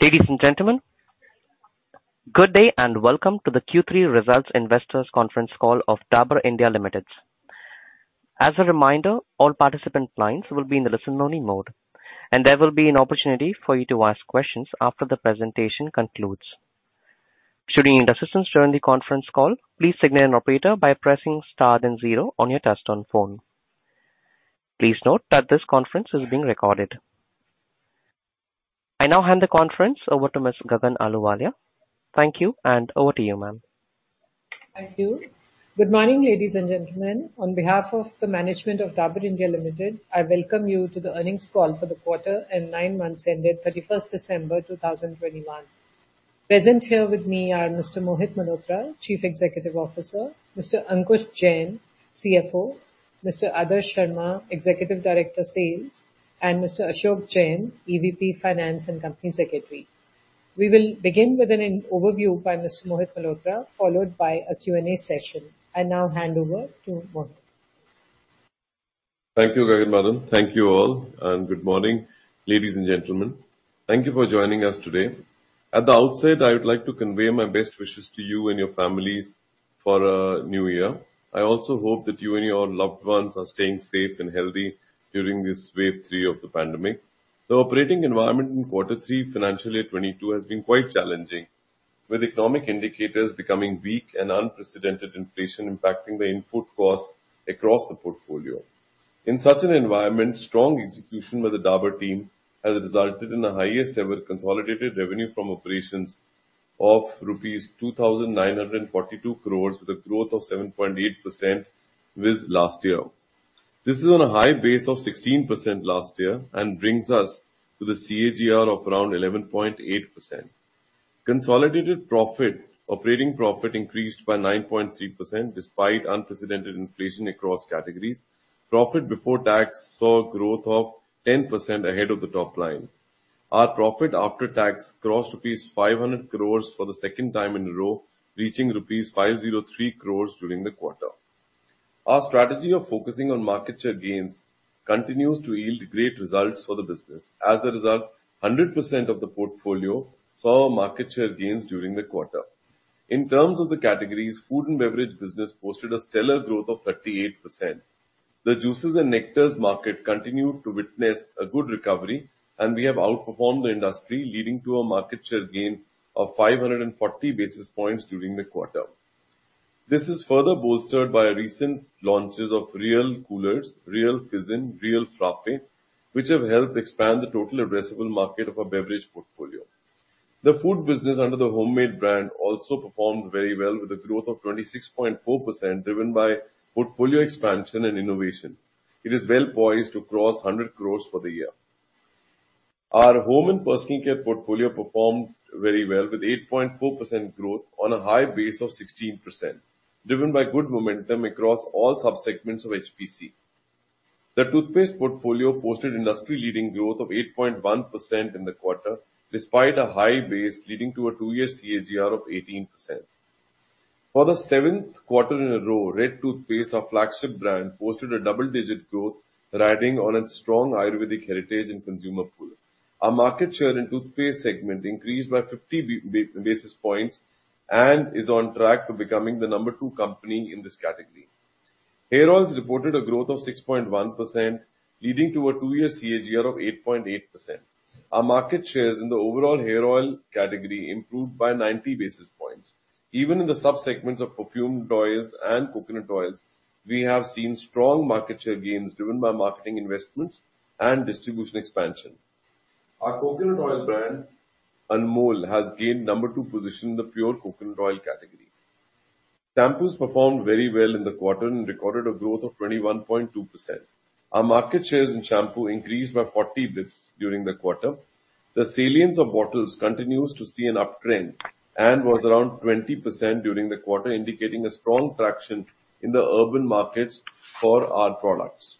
Ladies and gentlemen, good day and welcome to the Q3 Results Investors Conference Call of Dabur India Limited. As a reminder, all participant lines will be in the listen-only mode, and there will be an opportunity for you to ask questions after the presentation concludes. Should you need assistance during the conference call, please signal an operator by pressing star then zero on your touchtone phone. Please note that this conference is being recorded. I now hand the conference over to Ms. Gagan Ahluwalia. Thank you, and over to you, ma'am. Thank you. Good morning, ladies and gentlemen. On behalf of the management of Dabur India Limited, I welcome you to the earnings call for the quarter and 9 months ended 31st December 2021. Present here with me are Mr. Mohit Malhotra, Chief Executive Officer, Mr. Ankush Jain, CFO, Mr. Adarsh Sharma, Executive Director, Sales, and Mr. Ashok Jain, EVP, Finance and Company Secretary. We will begin with an overview by Mr. Mohit Malhotra, followed by a Q&A session. I now hand over to Mohit. Thank you, Gagan Ahluwalia. Thank you all, and good morning, ladies and gentlemen. Thank you for joining us today. At the outset, I would like to convey my best wishes to you and your families for a new year. I also hope that you and your loved ones are staying safe and healthy during this wave three of the pandemic. The operating environment in Q3 FY 2022 has been quite challenging, with economic indicators becoming weak and unprecedented inflation impacting the input costs across the portfolio. In such an environment, strong execution by the Dabur team has resulted in the highest ever consolidated revenue from operations of rupees 2,942 crore with a growth of 7.8% over last year. This is on a high base of 16% last year and brings us to the CAGR of around 11.8%. Consolidated operating profit increased by 9.3% despite unprecedented inflation across categories. Profit before tax saw growth of 10% ahead of the top line. Our profit after tax crossed rupees 500 crore for the second time in a row, reaching rupees 503 crore during the quarter. Our strategy of focusing on market share gains continues to yield great results for the business. As a result, 100% of the portfolio saw market share gains during the quarter. In terms of the categories, food and beverage business posted a stellar growth of 38%. The juices and nectars market continued to witness a good recovery, and we have outperformed the industry, leading to a market share gain of 540 basis points during the quarter. This is further bolstered by recent launches of Réal Coolers, Réal Fizz, and Réal Frappé, which have helped expand the total addressable market of our beverage portfolio. The food business under the Hommade brand also performed very well, with a growth of 26.4%, driven by portfolio expansion and innovation. It is well poised to cross 100 crore for the year. Our home and personal care portfolio performed very well, with 8.4% growth on a high base of 16%, driven by good momentum across all subsegments of HPC. The toothpaste portfolio posted industry-leading growth of 8.1% in the quarter, despite a high base leading to a 2-year CAGR of 18%. For the seventh quarter in a row, Red toothpaste, our flagship brand, posted a double-digit growth, riding on its strong Ayurvedic heritage and consumer pool. Our market share in toothpaste segment increased by 50 basis points and is on track to becoming the number two company in this category. Hair oils reported a growth of 6.1%, leading to a 2-year CAGR of 8.8%. Our market shares in the overall hair oil category improved by 90 basis points. Even in the subsegments of perfumed oils and coconut oils, we have seen strong market share gains driven by marketing investments and distribution expansion. Our coconut oil brand, Anmol, has gained number two position in the pure coconut oil category. Shampoos performed very well in the quarter and recorded a growth of 21.2%. Our market shares in shampoo increased by 40 basis points during the quarter. The salience of bottles continues to see an uptrend and was around 20% during the quarter, indicating a strong traction in the urban markets for our products.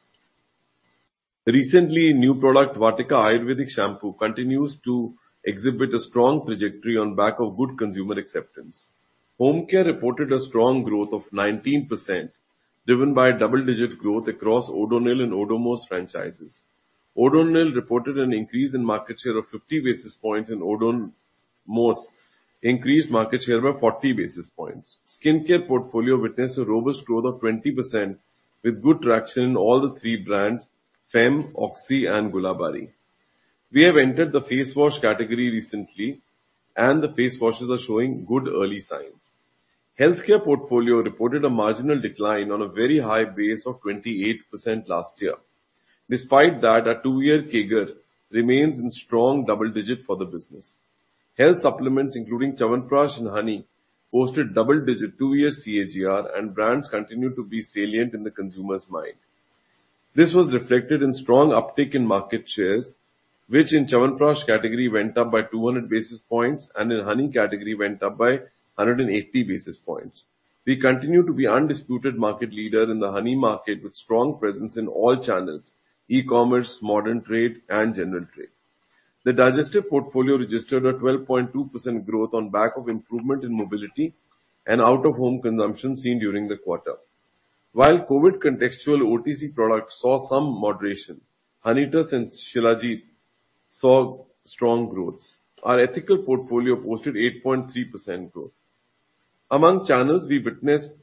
Recently, new product Vatika Ayurvedic Shampoo continues to exhibit a strong trajectory on back of good consumer acceptance. Home care reported a strong growth of 19%, driven by double-digit growth across Odonil and Odomos franchises. Odonil reported an increase in market share of 50 basis points, and Odomos increased market share by 40 basis points. Skincare portfolio witnessed a robust growth of 20% with good traction in all the three brands, Fem, Oxy, and Gulabari. We have entered the face wash category recently, and the face washes are showing good early signs. Healthcare portfolio reported a marginal decline on a very high base of 28% last year. Despite that, our 2-year CAGR remains in strong double digits for the business. Health supplements, including Chyawanprash and honey, posted double-digit 2-year CAGR, and brands continue to be salient in the consumer's mind. This was reflected in strong uptick in market shares, which in Chyawanprash category went up by 200 basis points and in honey category went up by 180 basis points. We continue to be undisputed market leader in the honey market with strong presence in all channels: e-commerce, modern trade, and general trade. The digestive portfolio registered a 12.2% growth on back of improvement in mobility and out-of-home consumption seen during the quarter. While COVID contextual OTC products saw some moderation, Honitus and Shilajit saw strong growth. Our ethical portfolio posted 8.3% growth. Among channels, we witnessed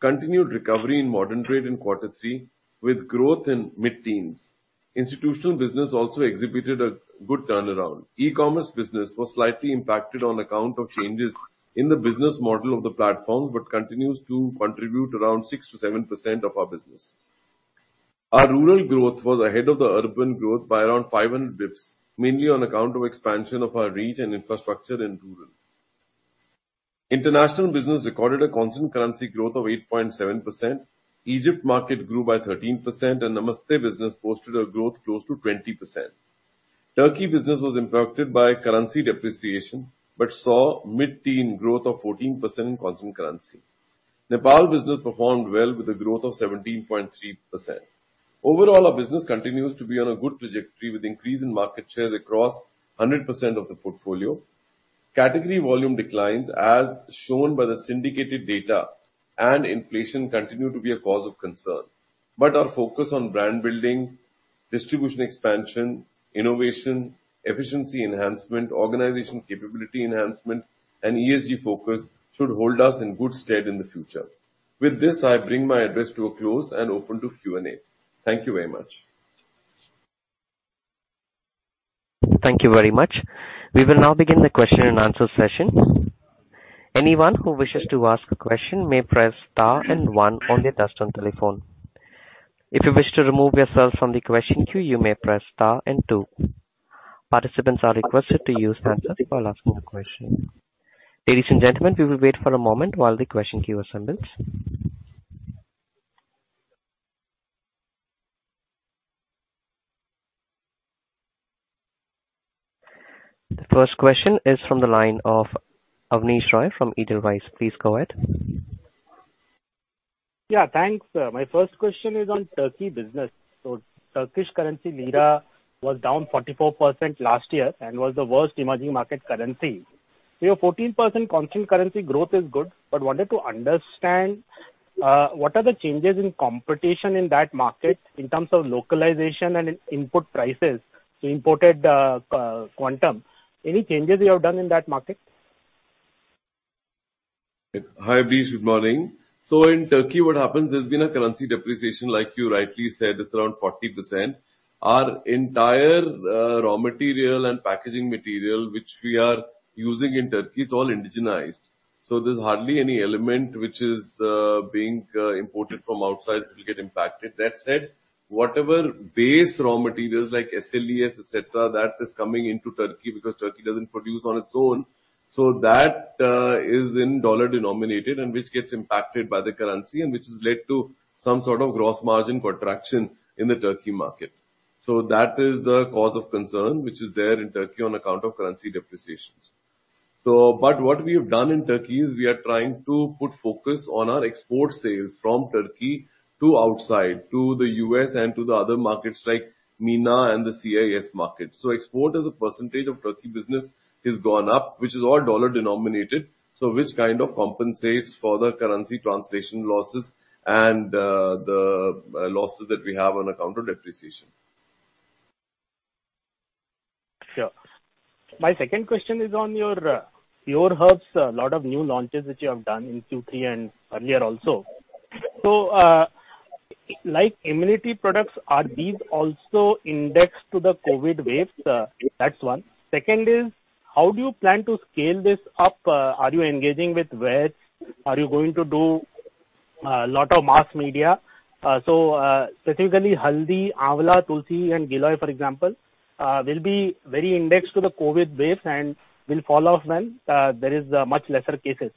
continued recovery in modern trade in quarter three with growth in mid-teens%. Institutional business also exhibited a good turnaround. E-commerce business was slightly impacted on account of changes in the business model of the platform, but continues to contribute around 6%-7% of our business. Our rural growth was ahead of the urban growth by around 500 basis points, mainly on account of expansion of our reach and infrastructure in rural. International business recorded a constant currency growth of 8.7%. Egypt market grew by 13% and Namaste business posted a growth close to 20%. Turkey business was impacted by currency depreciation, but saw mid-teen growth of 14% in constant currency. Nepal business performed well with a growth of 17.3%. Overall, our business continues to be on a good trajectory with increase in market shares across 100% of the portfolio. Category volume declines as shown by the syndicated data and inflation continue to be a cause of concern. Our focus on brand building, distribution expansion, innovation, efficiency enhancement, organization capability enhancement, and ESG focus should hold us in good stead in the future. With this, I bring my address to a close and open to Q&A. Thank you very much. Thank you very much. We will now begin the question and answer session. Anyone who wishes to ask a question may press star and one on their desktop telephone. If you wish to remove yourself from the question queue, you may press star and two. Participants are requested to use the handset while asking the question. Ladies and gentlemen, we will wait for a moment while the question queue assembles. The first question is from the line of Abneesh Roy from Edelweiss. Please go ahead. Yeah, thanks. My first question is on Turkey business. Turkish lira was down 44% last year and was the worst emerging market currency. Your 14% constant currency growth is good, but wanted to understand, what are the changes in competition in that market in terms of localization and input prices, imported, quantum? Any changes you have done in that market? Hi, Abneesh. Good morning. In Turkey, what happens is, there's been a currency depreciation, like you rightly said, it's around 40%. Our entire raw material and packaging material which we are using in Turkey, it's all indigenized. There's hardly any element which is being imported from outside which will get impacted. That said, whatever base raw materials like SLES, et cetera, that is coming into Turkey because Turkey doesn't produce on its own. That is in dollar denominated and which gets impacted by the currency and which has led to some sort of gross margin contraction in the Turkey market. That is the cause of concern, which is there in Turkey on account of currency depreciations. What we have done in Turkey is we are trying to put focus on our export sales from Turkey to outside, to the U.S. and to the other markets like MENA and the CIS markets. Export as a percentage of Turkey business has gone up, which is all dollar denominated, so which kind of compensates for the currency translation losses and the losses that we have on account of depreciation. Sure. My second question is on your pure herbs, a lot of new launches which you have done in Q3 and earlier also. Like immunity products, are these also indexed to the COVID waves? That's one. Second is, how do you plan to scale this up? Are you engaging with vets? Are you going to do a lot of mass media? Specifically Haldi, Amla, Tulsi and Giloy, for example, will be very indexed to the COVID waves and will fall off when there is much lesser cases.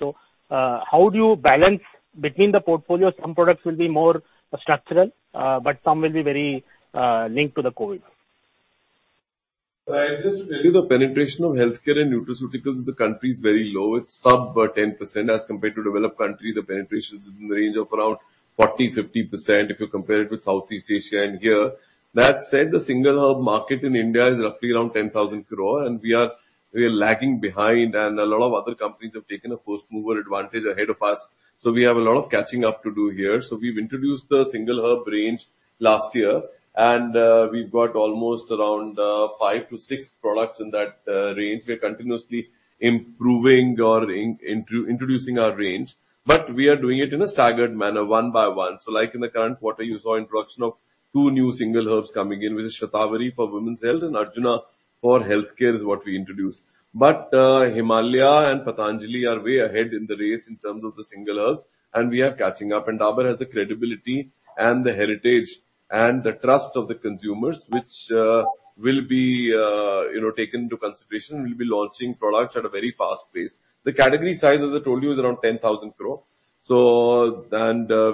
How do you balance between the portfolio? Some products will be more structural, but some will be very linked to the COVID. I'll just tell you the penetration of healthcare and nutraceuticals in the country is very low. It's sub 10%. As compared to developed countries, the penetration is in the range of around 40%-50%, if you compare it with Southeast Asia and here. That said, the single herb market in India is roughly around 10,000 crore, and we are lagging behind and a lot of other companies have taken a first-mover advantage ahead of us. We have a lot of catching up to do here. We've introduced the single herb range last year, and we've got almost around 5-6 products in that range. We are continuously improving or introducing our range. We are doing it in a staggered manner, one by one. Like in the current quarter, you saw introduction of two new single herbs coming in, which is Shatavari for women's health and Arjuna for heart health is what we introduced. Himalaya and Patanjali are way ahead in the race in terms of the single herbs, and we are catching up. Dabur has the credibility and the heritage and the trust of the consumers, which will be taken into consideration. We'll be launching products at a very fast pace. The category size, as I told you, is around 10,000 crore.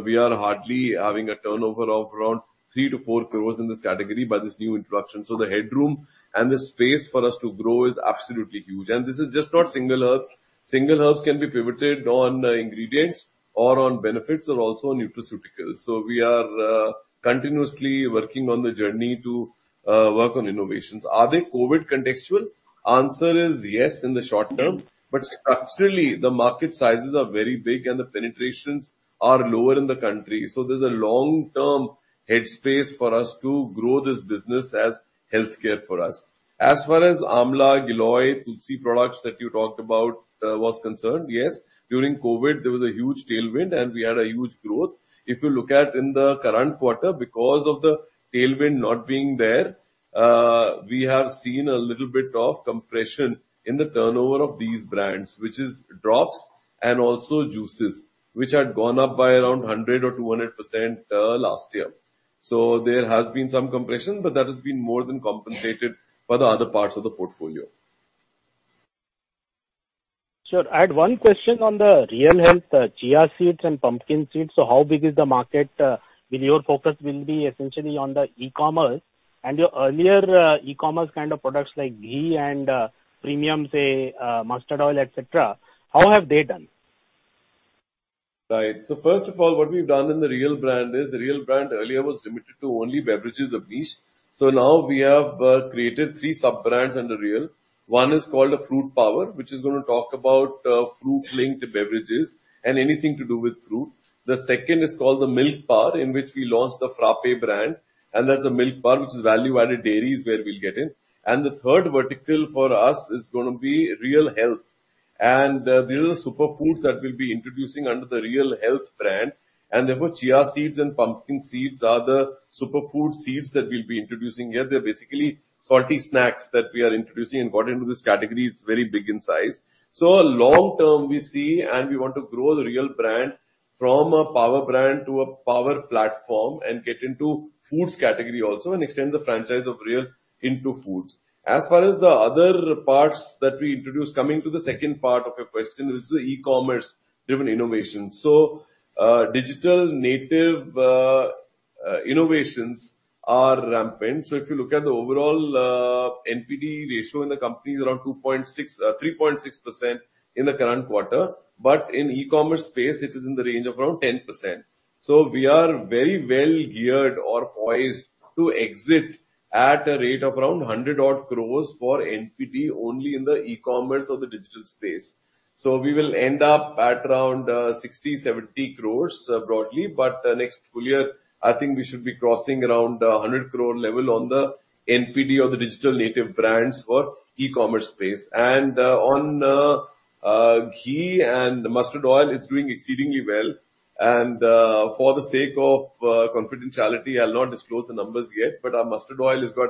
We are hardly having a turnover of around 3 crore- 4 crore in this category by this new introduction. The headroom and the space for us to grow is absolutely huge. This is just not single herbs. Single herbs can be pivoted on ingredients or on benefits or also on nutraceuticals. We are continuously working on the journey to work on innovations. Are they COVID contextual? Answer is yes in the short term, but structurally the market sizes are very big and the penetrations are lower in the country. There's a long-term headspace for us to grow this business as healthcare for us. As far as Amla, Giloy, Tulsi products that you talked about was concerned, yes, during COVID, there was a huge tailwind and we had a huge growth. If you look at in the current quarter because of the tailwind not being there, we have seen a little bit of compression in the turnover of these brands, which is drops and also juices which had gone up by around 100% or 200% last year. There has been some compression, but that has been more than compensated by the other parts of the portfolio. Sure. I had one question on the Réal Health, chia seeds and pumpkin seeds. How big is the market? Will your focus be essentially on the e-commerce and your earlier e-commerce kind of products like ghee and premium, say, mustard oil, et cetera? How have they done? Right. First of all, what we've done in the Réal brand is the Réal brand earlier was limited to only beverages of niche. Now we have created three sub-brands under Réal. One is called Real Fruit Power, which is gonna talk about fruit-linked beverages and anything to do with fruit. The second is called the Milk Bar, in which we launched the Réal Frappé brand, and that's a milk bar which is value-added dairies where we'll get in. The third vertical for us is gonna be Réal Health. These are super foods that we'll be introducing under the Réal Health brand, and therefore, chia seeds and pumpkin seeds are the superfood seeds that we'll be introducing here. They're basically salty snacks that we are introducing and got into this category. It's very big in size. Long term we see and we want to grow the Réal brand from a power brand to a power platform and get into foods category also and extend the franchise of Réal into foods. As far as the other parts that we introduced, coming to the second part of your question is the e-commerce-driven innovation. Digital native innovations are rampant. If you look at the overall NPD ratio in the company is around 3.6% in the current quarter, but in e-commerce space it is in the range of around 10%. We are very well geared or poised to exit at a rate of around 100-odd crore for NPD only in the e-commerce or the digital space. We will end up at around 60 crore-70 crore broadly. Next full year, I think we should be crossing around the 100 crore level on the NPD of the digital native brands for e-commerce space. On ghee and mustard oil, it's doing exceedingly well. For the sake of confidentiality, I'll not disclose the numbers yet, but our mustard oil has got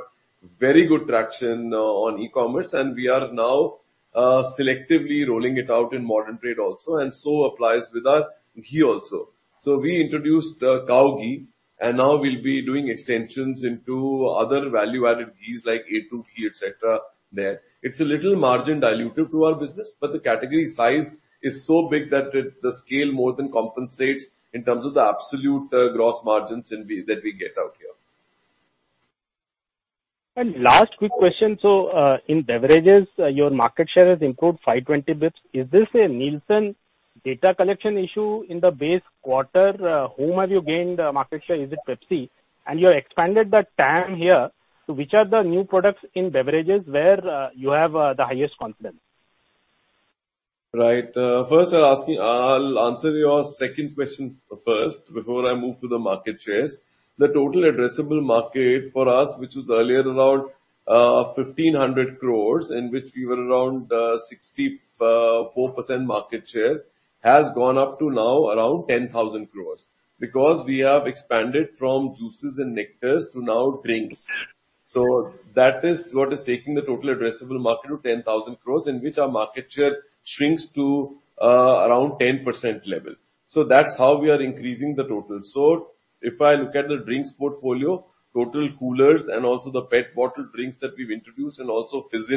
very good traction on e-commerce, and we are now selectively rolling it out in modern trade also and so applies with our ghee also. We introduced cow ghee, and now we'll be doing extensions into other value-added ghees like A2 ghee, et cetera there. It's a little margin dilutive to our business, but the category size is so big that the scale more than compensates in terms of the absolute gross margins that we get out here. Last quick question. In beverages, your market share has improved 520 basis points. Is this a Nielsen data collection issue in the base quarter? Whom have you gained market share? Is it PepsiCo? You expanded the TAM here. Which are the new products in beverages where you have the highest confidence? Right. First you're asking. I'll answer your second question first before I move to the market shares. The total addressable market for us, which was earlier around 1,500 crore, in which we were around 64% market share, has gone up to now around 10,000 crore. Because we have expanded from juices and nectars to now drinks. That is what is taking the total addressable market to 10,000 crore, in which our market share shrinks to around 10% level. That's how we are increasing the total. If I look at the drinks portfolio, total coolers and also the PET bottle drinks that we've introduced and also Fizz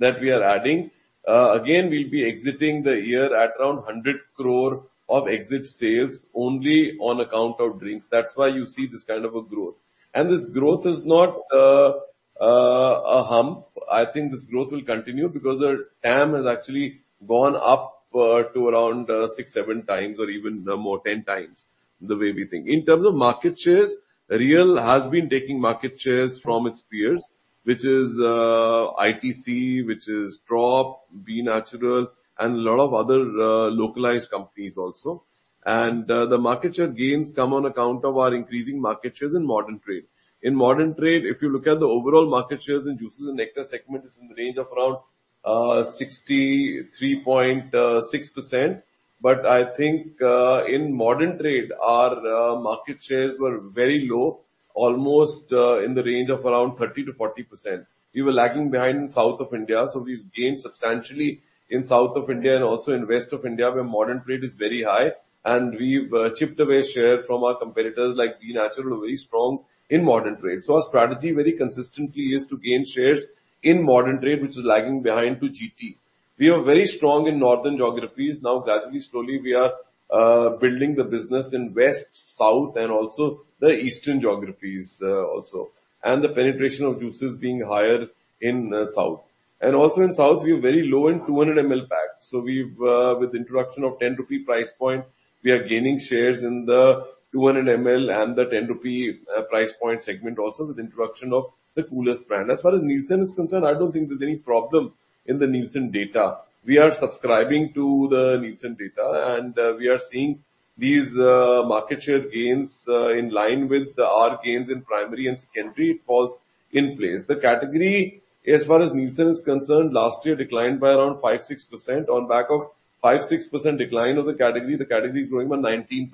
that we are adding, again, we'll be exiting the year at around 100 crore of exit sales only on account of drinks. That's why you see this kind of a growth. This growth is not a hump. I think this growth will continue because our TAM has actually gone up to around 6x-7x or even more, 10x the way we think. In terms of market shares, Réal has been taking market shares from its peers, which is ITC, which is Tropicana, B Natural, and a lot of other localized companies also. The market share gains come on account of our increasing market shares in modern trade. In modern trade, if you look at the overall market shares in juices and nectar segment is in the range of around 63.6%. I think in modern trade, our market shares were very low, almost in the range of around 30%-40%. We were lagging behind in South India, so we've gained substantially in South India and also in West India where modern trade is very high, and we've chipped away share from our competitors like B Natural, who are very strong in modern trade. Our strategy very consistently is to gain shares in modern trade, which is lagging behind to GT. We are very strong in northern geographies. Gradually, slowly, we are building the business in West, South, and the eastern geographies. The penetration of juices being higher in the South. In South, we're very low in 200 ml packs. With introduction of 10 rupee price point, we are gaining shares in the 200 ml and the 10 rupee price point segment also with introduction of the Réal Coolers brand. As far as Nielsen is concerned, I don't think there's any problem in the Nielsen data. We are subscribing to the Nielsen data, and we are seeing these market share gains in line with our gains in primary and secondary. It falls in place. The category as far as Nielsen is concerned, last year declined by around 5%-6%. On back of 5%-6% decline of the category, the category is growing by 19%.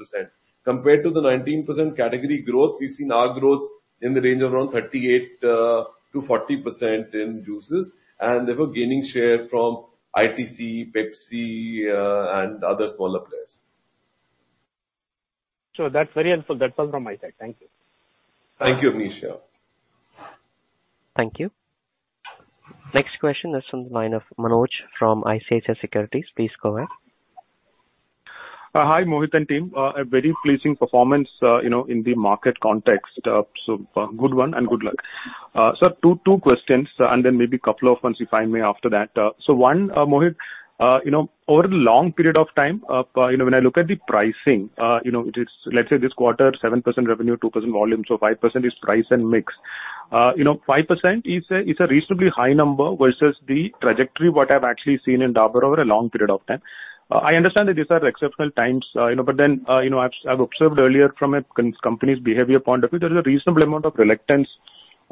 Compared to the 19% category growth, we've seen our growth in the range of around 38%-40% in juices, and they were gaining share from ITC, Pepsi, and other smaller players. Sure. That's very helpful. That's all from my side. Thank you. Thank you, Abneesh. Thank you. Next question is from the line of Manoj from ICICI Securities. Please go ahead. Hi, Mohit and team. A very pleasing performance, you know, in the market context. Good one and good luck. Two questions, and then maybe a couple of ones if I may after that. One, Mohit, you know, over the long period of time, you know, when I look at the pricing, you know, it is, let's say this quarter, 7% revenue, 2% volume, so 5% is price and mix. You know, 5% is a reasonably high number versus the trajectory what I've actually seen in Dabur over a long period of time. I understand that these are exceptional times, you know, but then, you know, I've observed earlier from a company's behavior point of view, there is a reasonable amount of reluctance.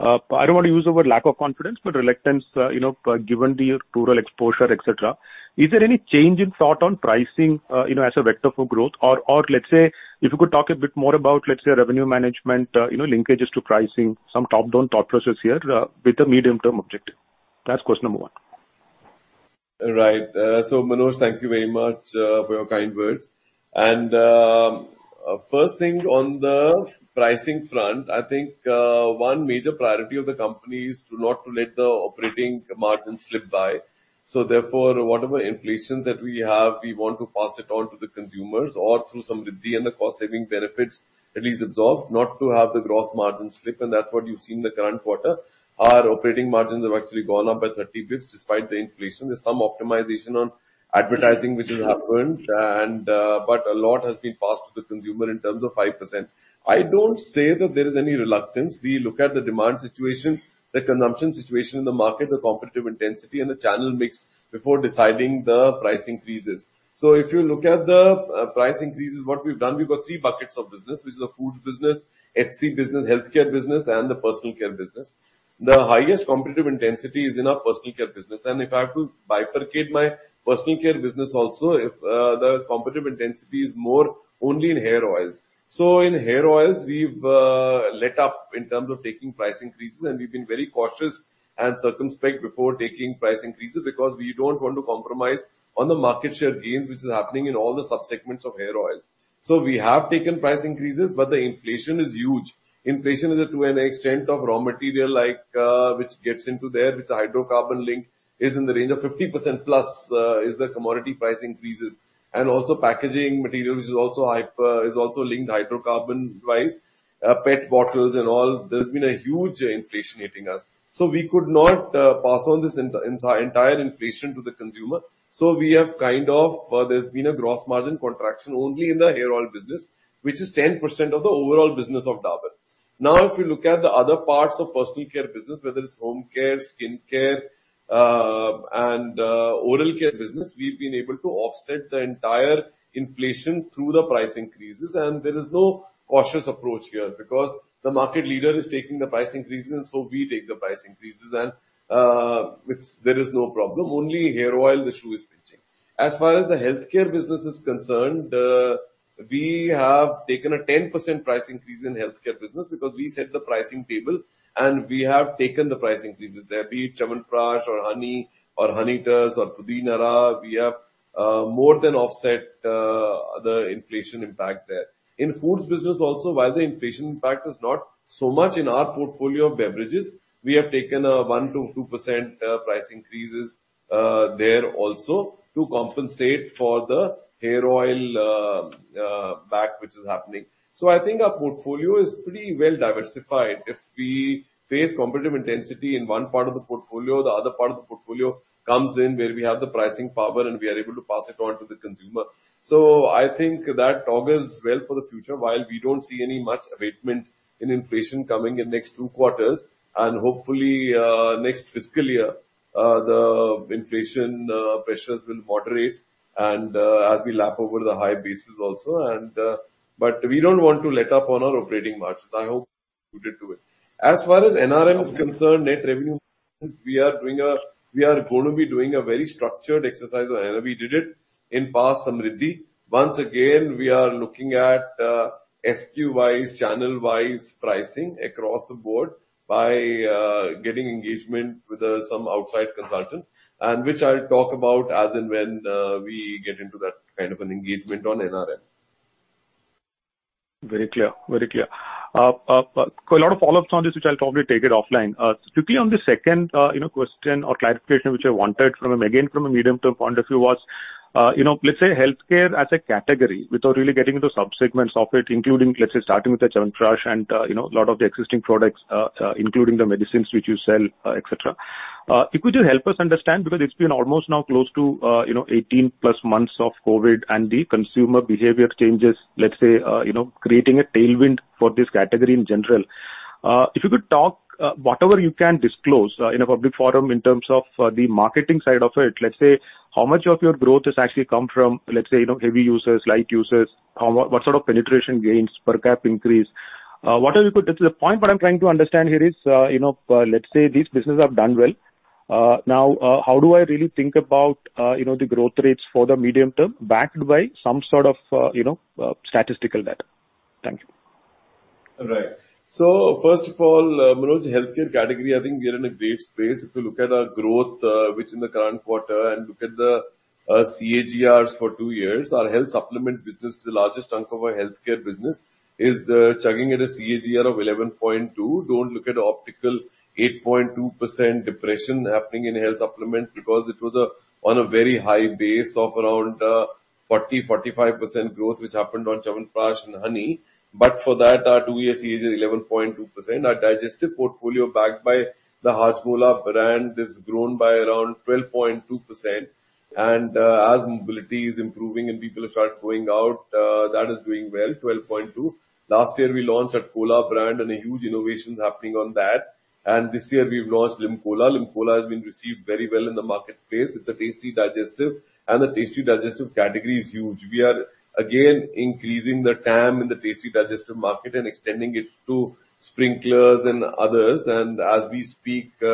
I don't wanna use the word lack of confidence, but reluctance, you know, given the rural exposure, et cetera. Is there any change in thought on pricing, you know, as a vector for growth? Or, or let's say, if you could talk a bit more about, let's say, revenue management, you know, linkages to pricing, some top-down thought process here, with the medium term objective. That's question number one. Right. Manoj, thank you very much for your kind words. First thing on the pricing front, I think one major priority of the company is not to let the operating margin slip. Therefore, whatever inflation that we have, we want to pass it on to the consumers or through some Samriddhi and the cost saving benefits at least absorbed, not to have the gross margin slip, and that's what you've seen in the current quarter. Our operating margins have actually gone up by 30 basis points despite the inflation. There's some optimization on advertising which has happened, but a lot has been passed to the consumer in terms of 5%. I don't see that there is any reluctance. We look at the demand situation, the consumption situation in the market, the competitive intensity and the channel mix before deciding the price increases. If you look at the price increases, what we've done, we've got three buckets of business, which is the foods business, HC business, healthcare business, and the personal care business. The highest competitive intensity is in our personal care business. If I have to bifurcate my personal care business also, if the competitive intensity is more only in hair oils. In hair oils, we've let up in terms of taking price increases, and we've been very cautious and circumspect before taking price increases because we don't want to compromise on the market share gains which is happening in all the sub-segments of hair oils. We have taken price increases, but the inflation is huge. Inflation is to an extent of raw material like, which gets into there, which is hydrocarbon linked, is in the range of 50%+, is the commodity price increases. Also packaging material, which is also hyper, is also linked hydrocarbon wise, PET bottles and all. There's been a huge inflation hitting us. We could not pass on this entire inflation to the consumer. We have kind of, there's been a gross margin contraction only in the hair oil business, which is 10% of the overall business of Dabur. Now, if you look at the other parts of personal care business, whether it's home care, skin care, and oral care business, we've been able to offset the entire inflation through the price increases. There is no cautious approach here because the market leader is taking the price increases, and so we take the price increases and there is no problem. Only hair oil the shoe is pinching. As far as the healthcare business is concerned, we have taken a 10% price increase in healthcare business because we have pricing power, and we have taken the price increases there. Be it Chyawanprash or honey or Honitus or Pudin Hara, we have more than offset the inflation impact there. In foods business also, while the inflation impact is not so much in our portfolio of beverages, we have taken a 1%-2% price increases there also to compensate for the hair oil hit which is happening. I think our portfolio is pretty well diversified. If we face competitive intensity in one part of the portfolio, the other part of the portfolio comes in where we have the pricing power and we are able to pass it on to the consumer. I think that augurs well for the future. While we don't see any much abatement in inflation coming in next two quarters, and hopefully, next fiscal year, the inflation pressures will moderate and, as we lap over the high bases also and, but we don't want to let up on our operating margins. I hope you did do it. As far as NRM is concerned, net revenue, we are gonna be doing a very structured exercise on NRM. We did it in past Samriddhi. Once again, we are looking at SKU-wise, channel-wide pricing across the board by getting engagement with some outside consultant, and which I'll talk about as and when we get into that kind of an engagement on NRM. Very clear. Got a lot of follow-ups on this, which I'll probably take offline. Strictly on the second question or clarification which I wanted from, again, from a medium-term point of view was, you know, let's say healthcare as a category without really getting into subsegments of it, including, let's say, starting with the Chyawanprash and, you know, a lot of the existing products, including the medicines which you sell, et cetera. If you could just help us understand, because it's been almost now close to, you know, 18+ months of COVID and the consumer behavior changes, let's say, you know, creating a tailwind for this category in general. If you could talk, whatever you can disclose, in a public forum in terms of, the marketing side of it, let's say, how much of your growth has actually come from, let's say, you know, heavy users, light users? What sort of penetration gains, per cap increase? The point what I'm trying to understand here is, you know, let's say these businesses have done well, now, how do I really think about, you know, the growth rates for the medium term backed by some sort of, you know, statistical data? Thank you. Right. First of all, Manoj, healthcare category, I think we are in a great space. If you look at our growth, which in the current quarter and look at the CAGRs for 2 years, our health supplement business is the largest chunk of our healthcare business, is chugging at a CAGR of 11.2%. Don't look at the optical 8.2% depression happening in health supplements because it was on a very high base of around 45% growth, which happened on Chyawanprash and honey. For that, our 2-year CAGR is 11.2%. Our digestive portfolio backed by the Hajmola brand has grown by around 12.2%. As mobility is improving and people start going out, that is doing well, 12.2%. Last year we launched our Kola brand and a huge innovation is happening on that. This year we've launched LimCola. LimCola has been received very well in the marketplace. It's a tasty digestive, and the tasty digestive category is huge. We are again increasing the TAM in the tasty digestive market and extending it to sprinklers and others. As we speak, you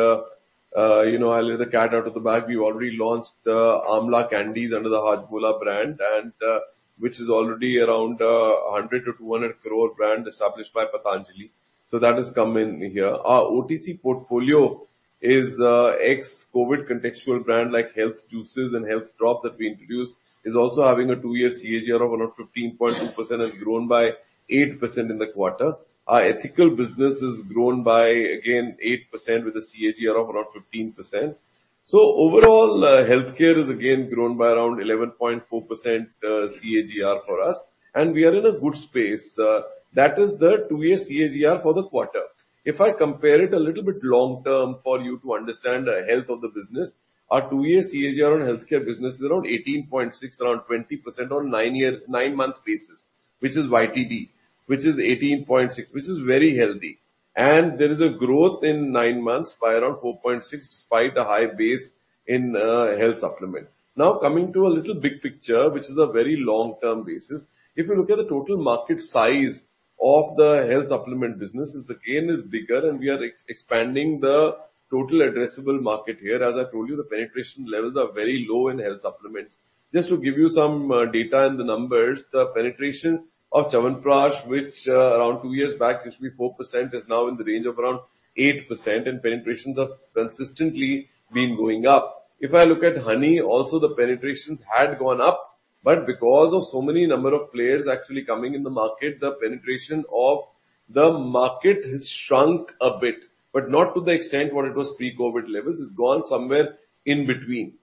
know, I let the cat out of the bag, we've already launched Amla candies under the Hajmola brand and which is already around 100 crore-200 crore brand established by Patanjali. That has come in here. Our OTC portfolio is ex-COVID contextual brands like health juices and health drops that we introduced, is also having a 2-year CAGR of around 15.2%, has grown by 8% in the quarter. Our ethical business has grown by 8% again with a CAGR of around 15%. Overall, healthcare has grown by around 11.4%, CAGR for us, and we are in a good space. That is the 2-year CAGR for the quarter. If I compare it a little bit long-term for you to understand the health of the business, our 2-year CAGR on healthcare business is around 18.6%, around 20% on 9-month basis, which is YTD, which is 18.6%, which is very healthy. There is a growth in 9 months by around 4.6%, despite the high base in health supplement. Now, coming to a little big picture, which is a very long-term basis. If you look at the total market size of the health supplement business, it again is bigger, and we are expanding the total addressable market here. As I told you, the penetration levels are very low in health supplements. Just to give you some data and the numbers, the penetration of Chyawanprash, which around 2 years back used to be 4%, is now in the range of around 8%, and penetrations have consistently been going up. If I look at honey also the penetrations had gone up, but because of so many number of players actually coming in the market, the penetration of the market has shrunk a bit, but not to the extent what it was pre-COVID levels. It's gone somewhere in between.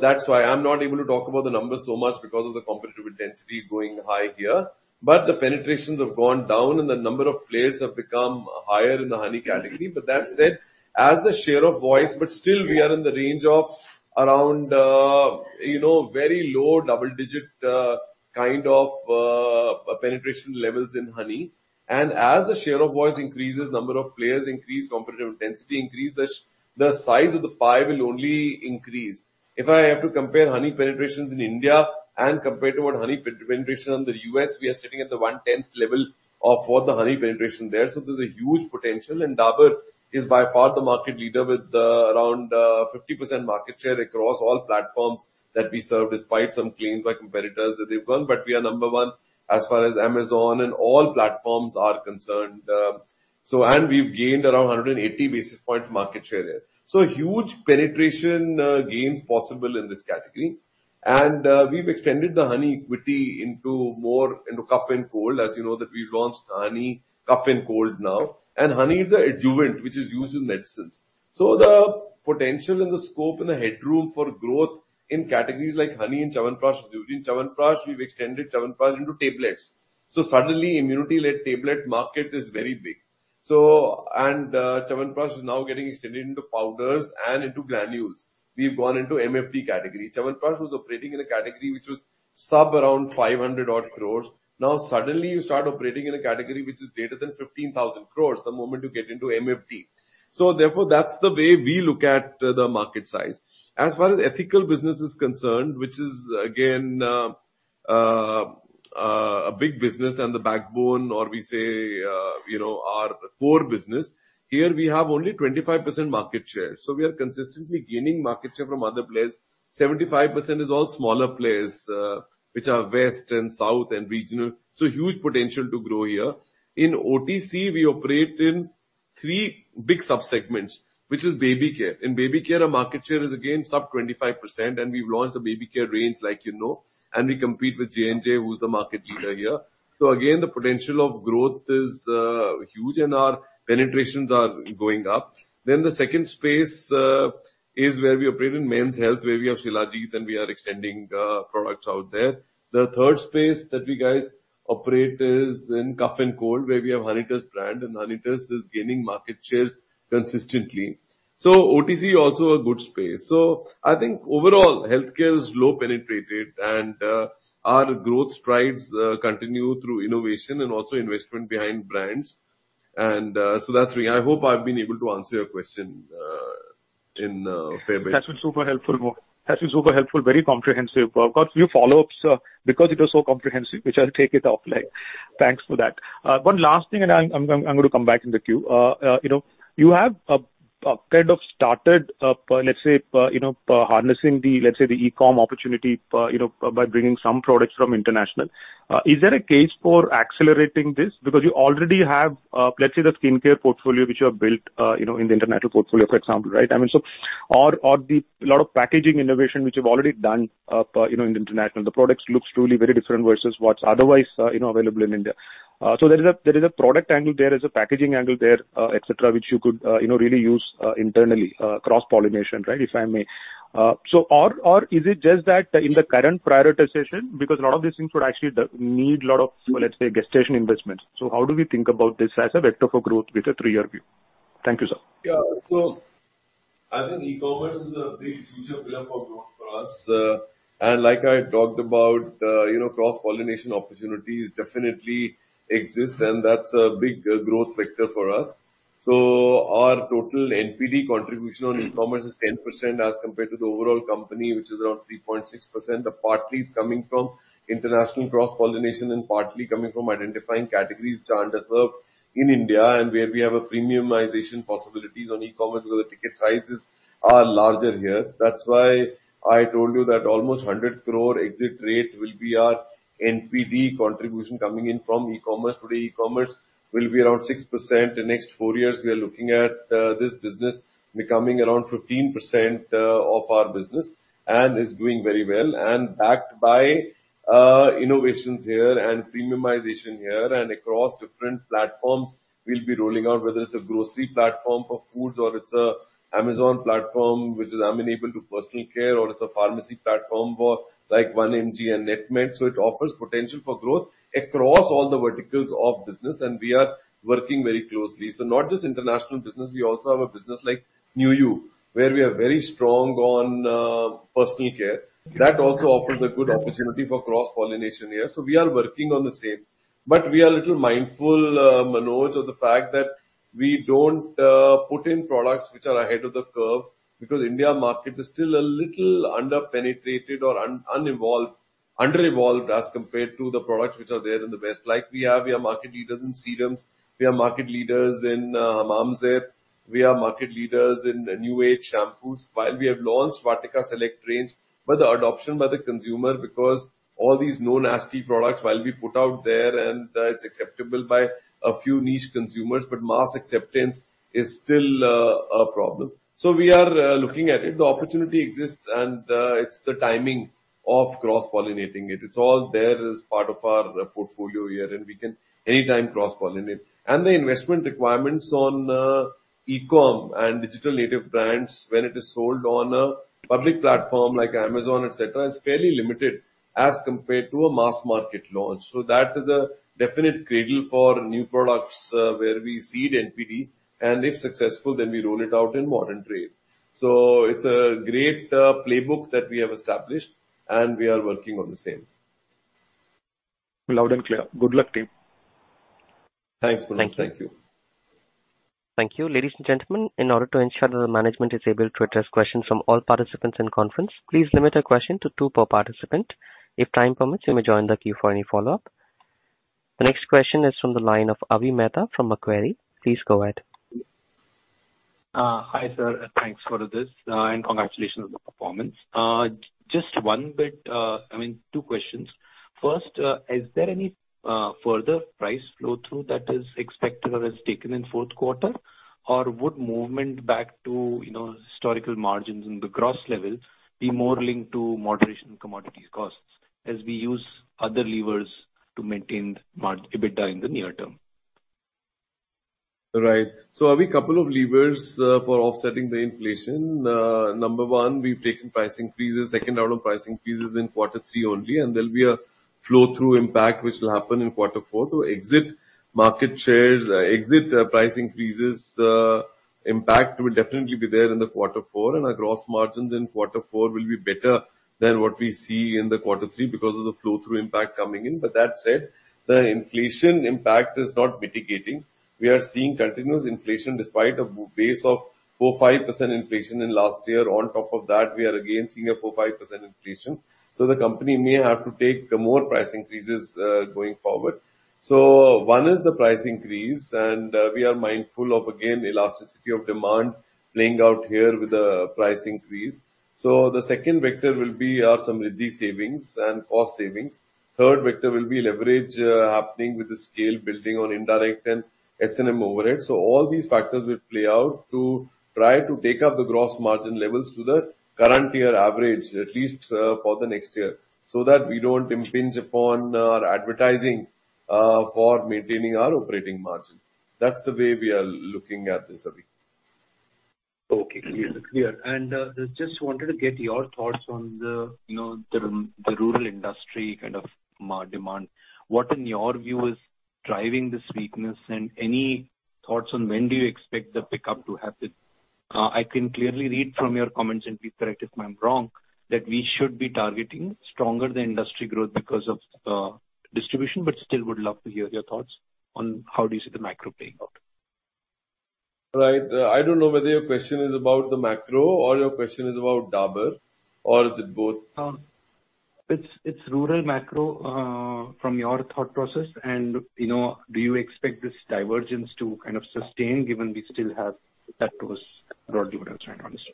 That's why I'm not able to talk about the numbers so much because of the competitive intensity going high here. The penetrations have gone down and the number of players have become higher in the honey category. That said, we are in the range of around very low double-digit kind of penetration levels in honey. As the share of voice increases, number of players increase, competitive intensity increase, the size of the pie will only increase. If I have to compare honey penetrations in India and compare to what honey penetration in the U.S., we are sitting at the 1/10 level of what the honey penetration there. There's a huge potential, and Dabur is by far the market leader with around 50% market share across all platforms that we serve, despite some claims by competitors that they've won. We are number one as far as Amazon and all platforms are concerned. We've gained around 180 basis points market share there. Huge penetration gains possible in this category. We've extended the honey equity into more into cough and cold. As you know that we've launched honey cough and cold now. Honey is an adjuvant which is used in medicines. The potential and the scope and the headroom for growth in categories like honey and Chyawanprash is huge. In Chyawanprash, we've extended Chyawanprash into tablets. Suddenly immunity-led tablet market is very big. Chyawanprash is now getting extended into powders and into granules. We've gone into MFD category. Chyawanprash was operating in a category which was around 500 crore. Now suddenly you start operating in a category which is greater than 15,000 crore the moment you get into MFD. Therefore, that's the way we look at the market size. As far as ethical business is concerned, which is again a big business and the backbone or we say, you know, our core business. Here we have only 25% market share, so we are consistently gaining market share from other players. 75% is all smaller players, which are West and South and regional, so huge potential to grow here. In OTC, we operate in three big subsegments, which is baby care. In baby care, our market share is again sub 25%, and we've launched a baby care range like you know, and we compete with J&J, who's the market leader here. Again, the potential of growth is huge and our penetrations are going up. The second space is where we operate in men's health, where we have Shilajit, and we are extending products out there. The third space that we guys operate is in cough and cold, where we have Honitus brand, and Honitus is gaining market shares consistently. OTC also a good space. I think overall healthcare is low penetrated and our growth strides continue through innovation and also investment behind brands. That's three. I hope I've been able to answer your question in a fair bit. That's been super helpful, Mohit. That's been super helpful, very comprehensive. I've got a few follow-ups because it was so comprehensive, which I'll take it offline. Thanks for that. One last thing, and I'm gonna come back in the queue. You know, you have kind of started, let's say, you know, harnessing the, let's say, the e-com opportunity, you know, by bringing some products from international. Is there a case for accelerating this? Because you already have, let's say the skincare portfolio which you have built, you know, in the international portfolio, for example, right? I mean, so. Or the lot of packaging innovation which you've already done, you know, in international. The products looks truly very different versus what's otherwise, you know, available in India. There is a product angle there's a packaging angle there, et cetera, which you could, you know, really use, internally, cross-pollination, right? If I may. Or is it just that in the current prioritization, because a lot of these things would actually need lot of, let's say, gestation investments. How do we think about this as a vector for growth with a 3-year view? Thank you, sir. Yeah. I think e-commerce is a big future pillar for growth for us. Like I talked about, you know, cross-pollination opportunities definitely exist, and that's a big growth factor for us. Our total NPD contribution on e-commerce is 10% as compared to the overall company, which is around 3.6%. Partly it's coming from international cross-pollination and partly coming from identifying categories which are underserved in India and where we have a premiumization possibilities on e-commerce because the ticket sizes are larger here. That's why I told you that almost 100 crore exit rate will be our NPD contribution coming in from e-commerce. Today, e-commerce will be around 6%. The next 4 years, we are looking at this business becoming around 15% of our business and is doing very well. Backed by innovations here and premiumization here and across different platforms we'll be rolling out, whether it's a grocery platform for foods or it's a Amazon platform, which is amenable to personal care or it's a pharmacy platform for like 1mg and Netmeds. It offers potential for growth across all the verticals of business, and we are working very closely. Not just international business, we also have a business like NewU, where we are very strong on personal care. That also offers a good opportunity for cross-pollination here. We are working on the same. We are a little mindful, Manoj, of the fact that we don't put in products which are ahead of the curve because India market is still a little under-penetrated or under-evolved as compared to the products which are there in the West. Like we are market leaders in serums, in Hammam Zaith, in new age shampoos. While we have launched Vatika Select range, the adoption by the consumer, because all these no-nasty products, while we put out there, is acceptable by a few niche consumers, but mass acceptance is still a problem. We are looking at it. The opportunity exists, and it's the timing of cross-pollinating it. It's all there as part of our portfolio here, and we can anytime cross-pollinate. The investment requirements on e-com and digital native brands when it is sold on a public platform like Amazon, etc., is fairly limited as compared to a mass market launch. That is a definite cradle for new products, where we seed NPD, and if successful, then we roll it out in modern trade. It's a great playbook that we have established, and we are working on the same. Loud and clear. Good luck, team. Thanks, Manoj. Thank you. Ladies and gentlemen, in order to ensure that the management is able to address questions from all participants in conference, please limit your question to two per participant. If time permits, you may join the queue for any follow-up. The next question is from the line of Avi Mehta from Macquarie. Please go ahead. Hi, sir. Thanks for this, and congratulations on the performance. Just one bit, I mean, two questions. First, is there any further price flow-through that is expected or is taken in fourth quarter? Or would movement back to, you know, historical margins in the gross level be more linked to moderation in commodities costs as we use other levers to maintain EBITDA in the near term? Right. Avi, couple of levers for offsetting the inflation. Number one, we've taken price increases. Second round of price increases in quarter three only, and there'll be a flow-through impact which will happen in quarter four to exit market shares. Exit price increases impact will definitely be there in the quarter four, and our gross margins in quarter four will be better than what we see in the quarter three because of the flow-through impact coming in. That said, the inflation impact is not mitigating. We are seeing continuous inflation despite a base of 4%-5% inflation in last year. On top of that, we are again seeing a 4%-5% inflation. The company may have to take more price increases going forward. One is the price increase, and we are mindful of, again, elasticity of demand playing out here with the price increase. The second vector will be our Samriddhi savings and cost savings. Third vector will be leverage happening with the scale building on indirect and S&M overhead. All these factors will play out to try to take up the gross margin levels to the current year average, at least, for the next year, so that we don't impinge upon our advertising for maintaining our operating margin. That's the way we are looking at this, Avi. Okay, clear. Just wanted to get your thoughts on the rural industry kind of demand. What in your view is driving this weakness, and any thoughts on when do you expect the pickup to happen? I can clearly read from your comments, and please correct if I'm wrong, that we should be targeting stronger than industry growth because of distribution, but still would love to hear your thoughts on how do you see the macro playing out. Right. I don't know whether your question is about the macro or your question is about Dabur or is it both? It's rural macro from your thought process and, you know, do you expect this divergence to kind of sustain given we still have factors or dividends around this?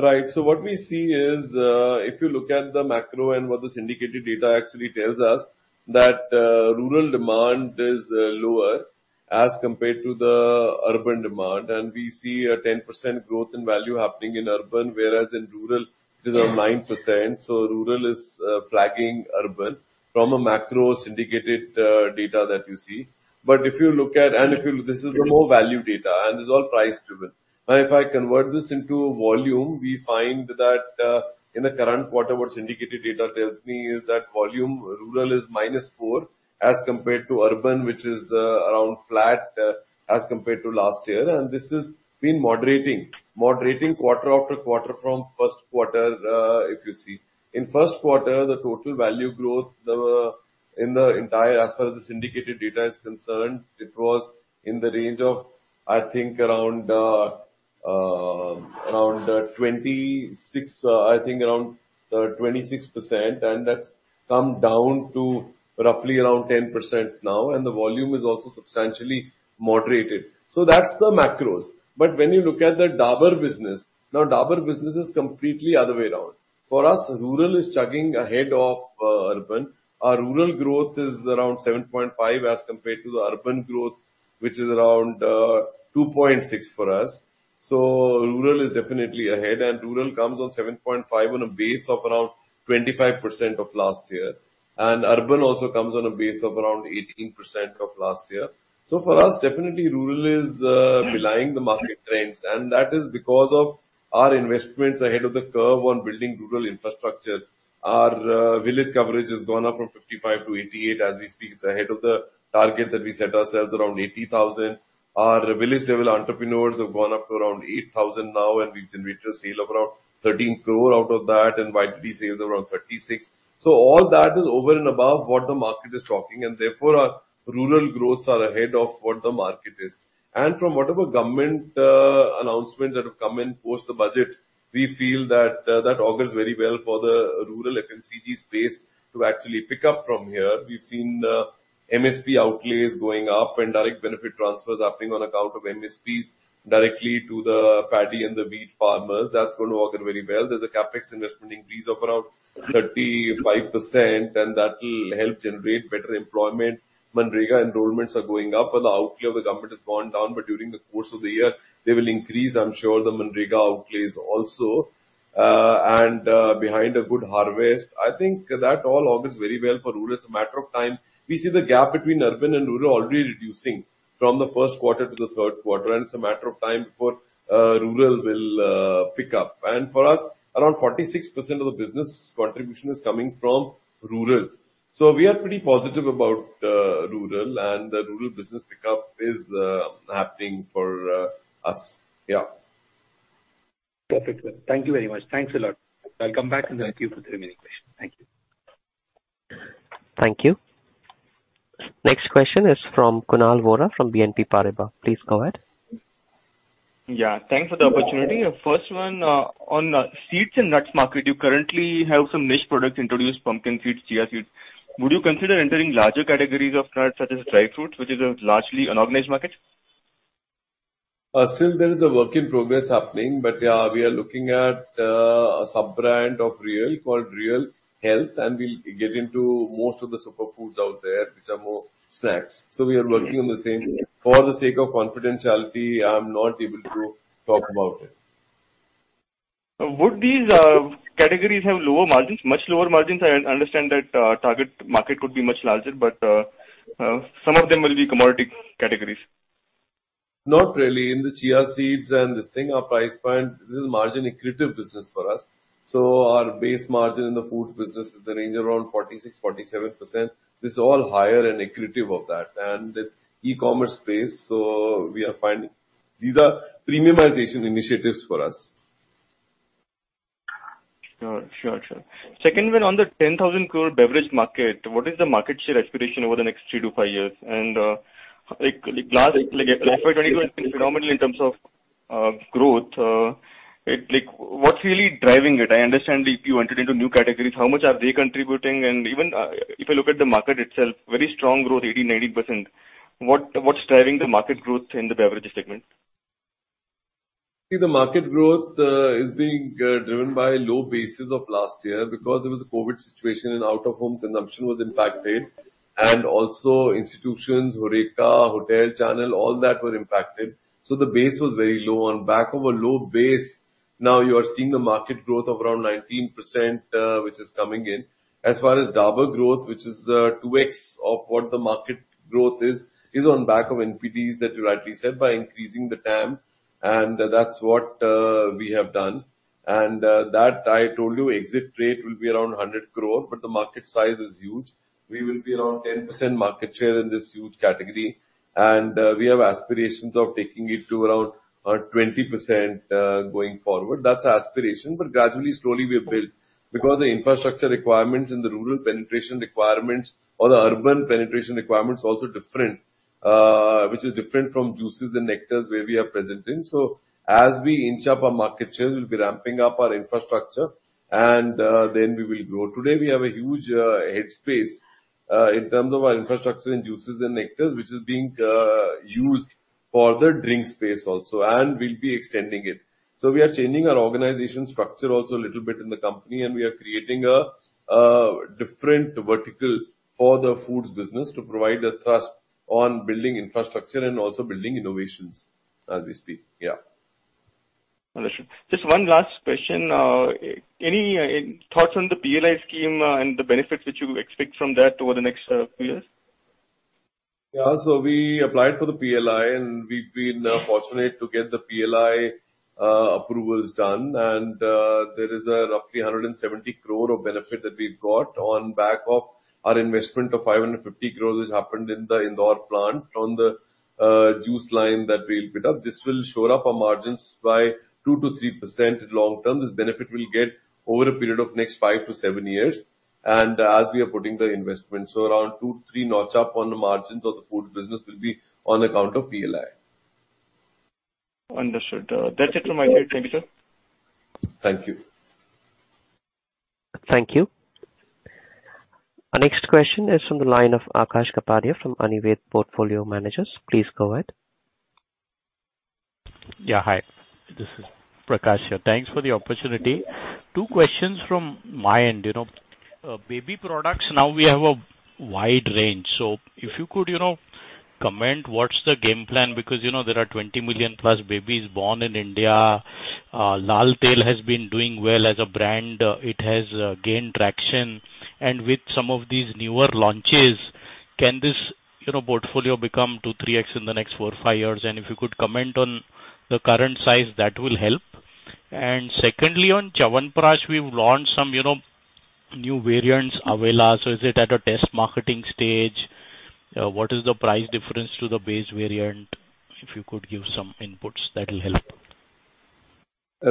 Right. What we see is, if you look at the macro and what the syndicated data actually tells us, that rural demand is lower as compared to the urban demand. We see a 10% growth in value happening in urban, whereas in rural it is at 9%. Rural is flagging urban from a macro syndicated data that you see. This is the more value data, and this is all price-driven. But if I convert this into volume, we find that in the current quarter, what syndicated data tells me is that volume rural is -4% as compared to urban, which is around flat as compared to last year. This has been moderating quarter after quarter from first quarter, if you see. In first quarter, the total value growth in the entire syndicated data was in the range of around 26%, I think, and that's come down to roughly around 10% now. The volume is also substantially moderated. That's the macros. When you look at the Dabur business, now Dabur business is completely other way around. For us, rural is chugging ahead of urban. Our rural growth is around 7.5% as compared to the urban growth, which is around 2.6% for us. Rural is definitely ahead, and rural comes on 7.5% on a base of around 25% of last year. Urban also comes on a base of around 18% of last year. For us, definitely rural is belying the market trends, and that is because of our investments ahead of the curve on building rural infrastructure. Our village coverage has gone up from 55 to 88 as we speak. It's ahead of the target that we set ourselves, around 80,000. Our village-level entrepreneurs have gone up to around 8,000 now, and we generate a sale of around 13 crore out of that, and YPD sales around 36. All that is over and above what the market is talking, and therefore our rural growths are ahead of what the market is. From whatever government announcements that have come in post the budget, we feel that that augurs very well for the rural FMCG space to actually pick up from here. We've seen MSP outlays going up and direct benefit transfers happening on account of MSPs directly to the paddy and the wheat farmers. That's gonna augur very well. There's a CapEx investment increase of around 35%, and that'll help generate better employment. MGNREGA enrollments are going up. The outlay of the government has gone down, but during the course of the year they will increase, I'm sure, the MGNREGA outlays also. Behind a good harvest, I think that all augurs very well for rural. It's a matter of time. We see the gap between urban and rural already reducing from the first quarter to the third quarter, and it's a matter of time before rural will pick up. For us, around 46% of the business contribution is coming from rural. We are pretty positive about rural, and the rural business pickup is happening for us. Yeah. Perfect. Thank you very much. Thanks a lot. I'll come back in the queue for 3-minute question. Thank you. Thank you. Next question is from Kunal Vora from BNP Paribas. Please go ahead. Yeah. Thanks for the opportunity. First one, on, seeds and nuts market. You currently have some niche products introduced, pumpkin seeds, chia seeds. Would you consider entering larger categories of nuts such as dry fruits, which is a largely unorganized market? Still there is a work in progress happening, but yeah, we are looking at, a sub-brand of Réal called Real Health, and we'll get into most of the superfoods out there which are more snacks. We are working on the same. For the sake of confidentiality, I'm not able to talk about it. Would these, categories have lower margins, much lower margins? I understand that, target market could be much larger, but, some of them will be commodity categories. Not really. In the chia seeds and this thing, our price point, this is margin accretive business for us. Our base margin in the foods business is the range around 46%-47%. This is all higher and accretive of that. It's e-commerce space, so we are finding these are premiumization initiatives for us. Sure. Second one, on the 10,000 crore beverage market, what is the market share aspiration over the next 3-5 years? Last FY 2022 has been phenomenal in terms of growth. What's really driving it? I understand if you entered into new categories, how much are they contributing? If you look at the market itself, very strong growth, 80%-90%. What's driving the market growth in the beverages segment? See, the market growth is being driven by low bases of last year because there was a COVID situation and out-of-home consumption was impacted. Also institutions, HORECA, hotel channel, all that were impacted. The base was very low. On back of a low base. Now you are seeing the market growth of around 19%, which is coming in. As far as Dabur growth, which is 2x of what the market growth is on back of NPDs that you rightly said by increasing the TAM, and that's what we have done. That I told you exit rate will be around 100 crore, but the market size is huge. We will be around 10% market share in this huge category, and we have aspirations of taking it to around 20%, going forward. That's aspiration, but gradually, slowly we have built. Because the infrastructure requirements and the rural penetration requirements or the urban penetration requirements are also different, which is different from juices and nectars where we are present in. As we inch up our market share, we'll be ramping up our infrastructure and then we will grow. Today we have a huge head space in terms of our infrastructure in juices and nectars, which is being used for the drink space also, and we'll be extending it. We are changing our organization structure also a little bit in the company, and we are creating a different vertical for the foods business to provide a thrust on building infrastructure and also building innovations as we speak. Yeah. Understood. Just one last question. Any thoughts on the PLI scheme, and the benefits which you expect from that over the next few years? Yeah. We applied for the PLI and we've been fortunate to get the PLI approvals done. There is roughly 170 crore of benefit that we've got on the back of our investment of 550 crore, which happened in the Indore plant on the juice line that we'll fit up. This will shore up our margins by 2%-3% in long term. This benefit we'll get over a period of next 5-7 years and as we are putting the investment. Around 2-3 notch up on the margins of the food business will be on account of PLI. Understood. That's it from my side. Thank you, sir. Thank you. Thank you. Our next question is from the line of Prakash Kapadia from Anived Portfolio Managers. Please go ahead. Hi, this is Prakash here. Thanks for the opportunity. Two questions from my end. You know, baby products, now we have a wide range. So if you could, you know, comment, what's the game plan? Because, you know, there are 20 million+ babies born in India. Lal Tail has been doing well as a brand. It has gained traction. With some of these newer launches, can this, you know, portfolio become 2x-3x in the next 4-5 years? If you could comment on the current size, that will help. Secondly, on Chyawanprash, we've launched some, you know, new variants, Avaleha. So is it at a test marketing stage? What is the price difference to the base variant? If you could give some inputs, that'll help.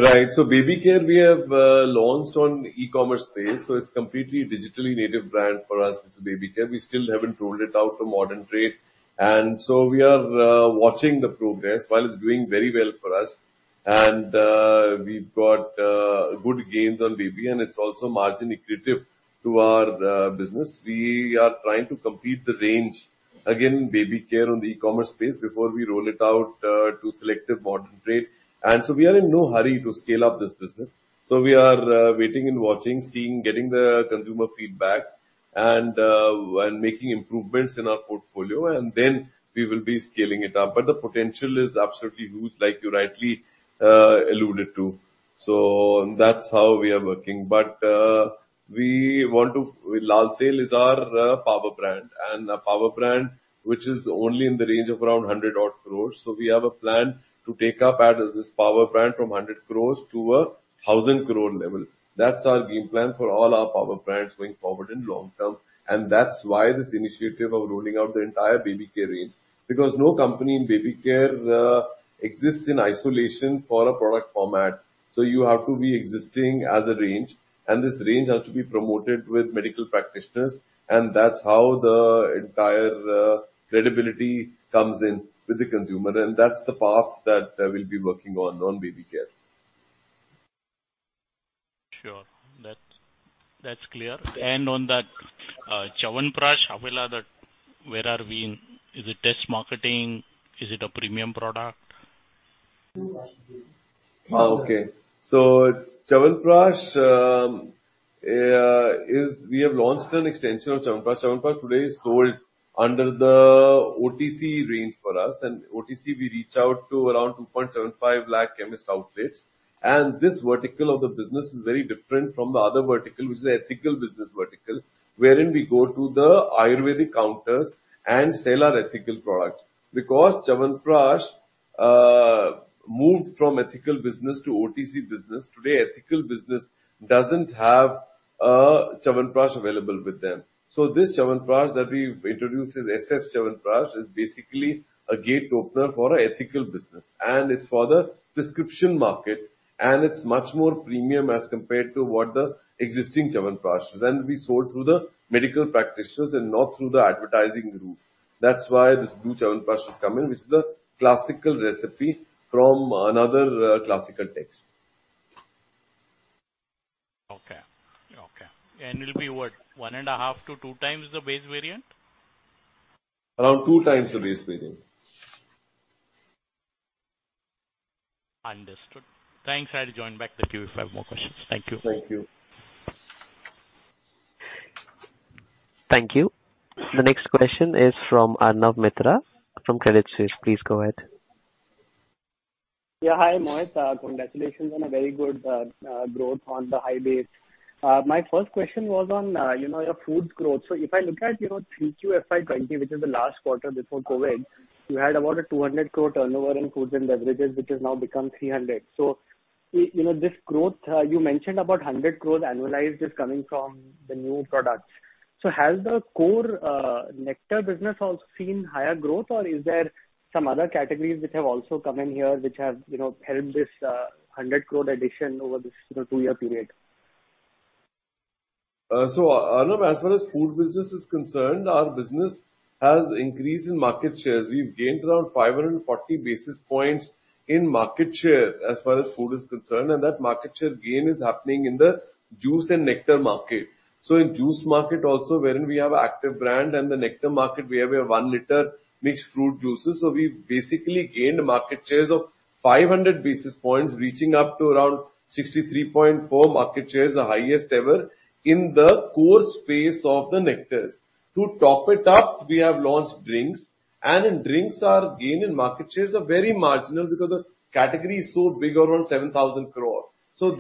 Right. Baby care we have launched on e-commerce space, so it's completely digitally native brand for us. It's baby care. We still haven't rolled it out to modern trade, and we are watching the progress. While it's doing very well for us and we've got good gains on baby and it's also margin accretive to our business. We are trying to complete the range, again, baby care on the e-commerce space before we roll it out to selective modern trade. We are in no hurry to scale up this business. We are waiting and watching, seeing, getting the consumer feedback and making improvements in our portfolio and then we will be scaling it up. The potential is absolutely huge like you rightly alluded to. That's how we are working. Lal Tail is our power brand and a power brand which is only in the range of around 100-odd crore. We have a plan to take it up as this power brand from 100 crore to a 1,000 crore level. That's our game plan for all our power brands going forward in long term. That's why this initiative of rolling out the entire baby care range, because no company in baby care exists in isolation for a product format. You have to be existing as a range, and this range has to be promoted with medical practitioners, and that's how the entire credibility comes in with the consumer. That's the path that we'll be working on baby care. Sure. That's clear. On that, Chyawanprash, where are we in? Is it test marketing? Is it a premium product? Chyawanprash is we have launched an extension of Chyawanprash. Chyawanprash today is sold under the OTC range for us. OTC we reach out to around 2.75 lakh chemist outlets. This vertical of the business is very different from the other vertical, which is the ethical business vertical, wherein we go to the Ayurvedic counters and sell our ethical products. Because Chyawanprash moved from ethical business to OTC business, today ethical business doesn't have a Chyawanprash available with them. This Chyawanprash that we've introduced as Dabur Chyawanprash is basically a gate opener for our ethical business, and it's for the prescription market, and it's much more premium as compared to what the existing Chyawanprash is. We sold through the medical practitioners and not through the advertising route. That's why this new Chyawanprash has come in, which is the classical recipe from another classical text. Okay. It'll be what? 1.5x-2x the base variant? Around 2x the base variant. Understood. Thanks. I'll join back with you if I have more questions. Thank you. Thank you. Thank you. The next question is from Arnab Mitra from Credit Suisse. Please go ahead. Hi, Mohit. Congratulations on a very good growth on the high base. My first question was on, you know, your foods growth. If I look at, you know, Q3 FY 2020, which is the last quarter before COVID, you had about 200 crore turnover in foods and beverages, which has now become 300 crore. You know, this growth, you mentioned about 100 crore annualized is coming from the new products. Has the core nectar business also seen higher growth, or is there some other categories which have also come in here which have, you know, helped this 100 crore addition over this, you know, 2-year period? Arnab, as far as food business is concerned, our business has increased in market shares. We've gained around 540 basis points in market share as far as food is concerned, and that market share gain is happening in the juice and nectar market. In juice market also, wherein we have Réal Activ brand, in the nectar market, we have a 1-liter mixed fruit juice. We've basically gained market share of 500 basis points, reaching up to around 63.4% market share, the highest ever in the core space of the nectars. To top it up, we have launched drinks, and in drinks our gain in market shares is very marginal because the category is so big, around 7,000 crore.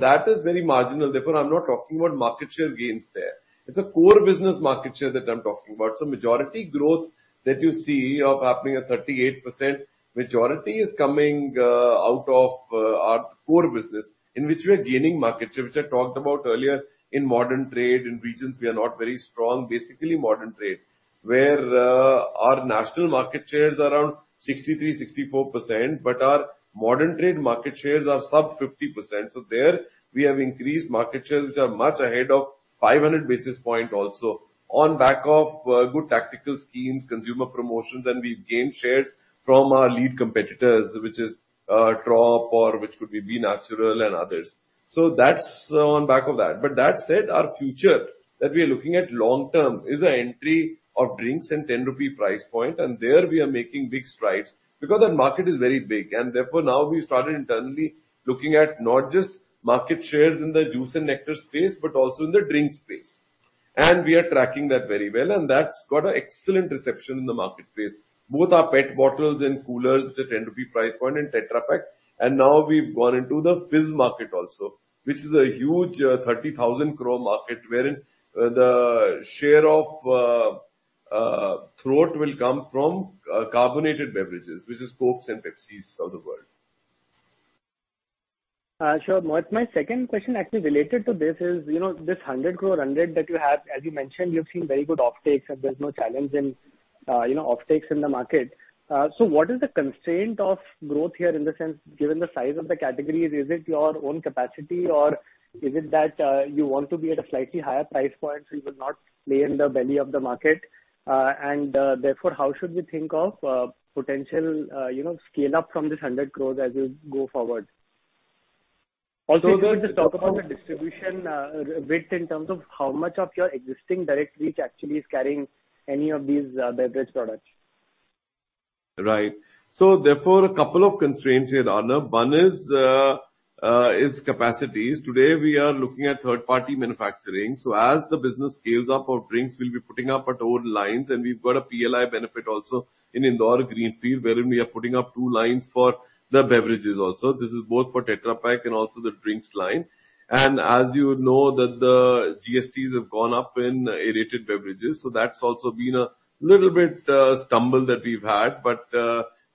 That is very marginal. Therefore, I'm not talking about market share gains there. It's the core business market share that I'm talking about. Majority growth that you see of happening at 38%, majority is coming out of our core business, in which we are gaining market share, which I talked about earlier in modern trade. In regions we are not very strong, basically modern trade. Where our national market share is around 63%-64%, but our modern trade market shares are sub 50%. There we have increased market shares which are much ahead of 500 basis points also on back of good tactical schemes, consumer promotions, and we've gained shares from our lead competitors, which is Tropicana or which could be B Natural and others. That's on back of that. That said, our future that we are looking at long-term is the entry of drinks in 10 rupee price point, and there we are making big strides because that market is very big. Therefore, now we started internally looking at not just market shares in the juice and nectar space, but also in the drinks space. We are tracking that very well, and that's got an excellent reception in the marketplace, both our PET bottles and coolers which are INR 10 price point and Tetra Pak. Now we've gone into the fizz market also, which is a huge 30,000 crore market wherein the share of throat will come from carbonated beverages, which is Coca-Cola and Pepsi's of the world. Sure, Mohit. My second question actually related to this is, you know, this 100 crore run rate that you have, as you mentioned, you've seen very good offtakes and there's no challenge in, you know, offtakes in the market. What is the constraint of growth here in the sense, given the size of the category? Is it your own capacity or is it that you want to be at a slightly higher price point, so you will not play in the belly of the market? Therefore, how should we think of potential, you know, scale-up from this 100 crore as you go forward? Also, if you could just talk about the distribution width in terms of how much of your existing direct reach actually is carrying any of these beverage products. Right. Therefore, a couple of constraints here, Arnab. One is capacities. Today, we are looking at third-party manufacturing. As the business scales up for drinks, we'll be putting up our own lines, and we've got a PLI benefit also in Indore Greenfield, wherein we are putting up two lines for the beverages also. This is both for Tetra Pak and also the drinks line. As you know that the GSTs have gone up in aerated beverages, so that's also been a little bit stumble that we've had.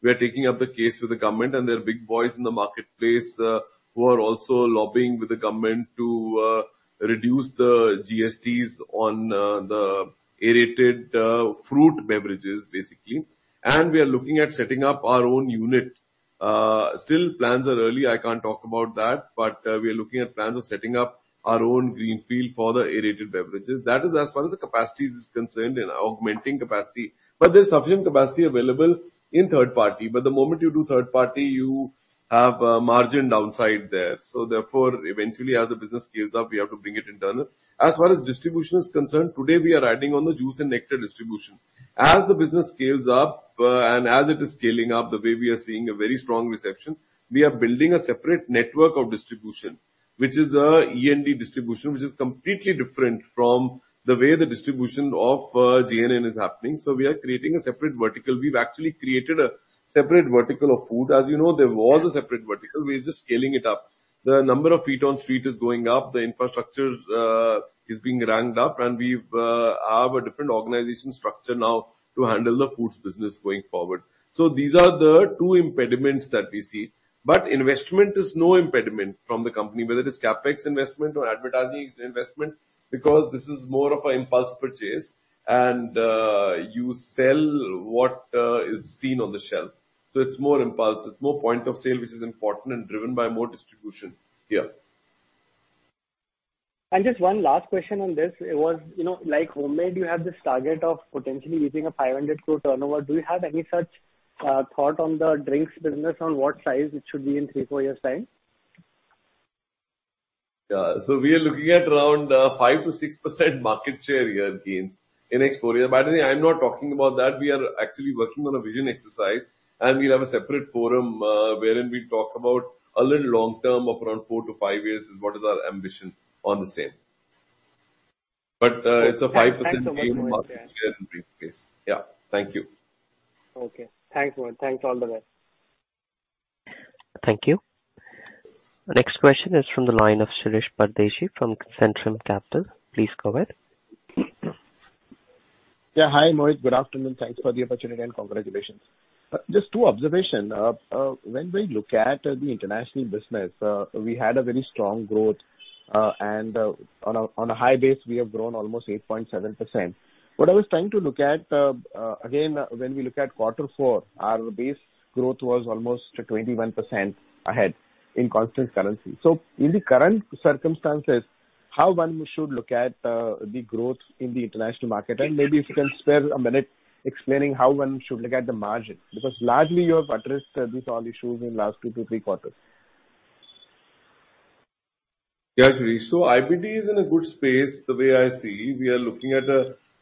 We are taking up the case with the government, and there are big boys in the marketplace who are also lobbying with the government to reduce the GSTs on the aerated fruit beverages, basically. We are looking at setting up our own unit. Still plans are early, I can't talk about that, but we are looking at plans of setting up our own greenfield for the aerated beverages. That is as far as the capacity is concerned in augmenting capacity. There's sufficient capacity available in third party. The moment you do third party, you have a margin downside there. Therefore, eventually as the business scales up, we have to bring it internal. As far as distribution is concerned, today we are adding on the juice and nectar distribution. As the business scales up, and as it is scaling up, the way we are seeing a very strong reception, we are building a separate network of distribution, which is the E&D distribution, which is completely different from the way the distribution of GT is happening. We are creating a separate vertical. We've actually created a separate vertical of food. As you know, there was a separate vertical. We're just scaling it up. The number of feet on street is going up, the infrastructure is being ramped up, and we have a different organization structure now to handle the foods business going forward. These are the two impediments that we see. Investment is no impediment from the company, whether it's CapEx investment or advertising investment, because this is more of an impulse purchase and you sell what is seen on the shelf. It's more impulse. It's more point of sale, which is important and driven by more distribution here. Just one last question on this. It was, you know, like Hommade, you have this target of potentially reaching a 500 crore turnover. Do you have any such thought on the drinks business, on what size it should be in 3-4 years' time? Yeah. We are looking at around 5%-6% market share year gains in next 4 years. By the way, I'm not talking about that. We are actually working on a vision exercise, and we'll have a separate forum, wherein we'll talk about a little long-term of around 4-5 years is what is our ambition on the same. It's a 5% premium market share in toothpaste. Yeah. Thank you. Okay. Thanks, Mohit. Thanks all the best. Thank you. Next question is from the line of Shirish Pardeshi from Centrum Broking. Please go ahead. Yeah. Hi, Mohit. Good afternoon. Thanks for the opportunity, and congratulations. Just two observation. When we look at the international business, we had a very strong growth, and on a high base, we have grown almost 8.7%. What I was trying to look at, again, when we look at quarter four, our base growth was almost 21% ahead in constant currency. In the current circumstances, how one should look at the growth in the international market? Maybe if you can spare a minute explaining how one should look at the margin, because largely you have addressed these all issues in last two to three quarters. Yes, Shirish. IBD is in a good space the way I see. We are looking at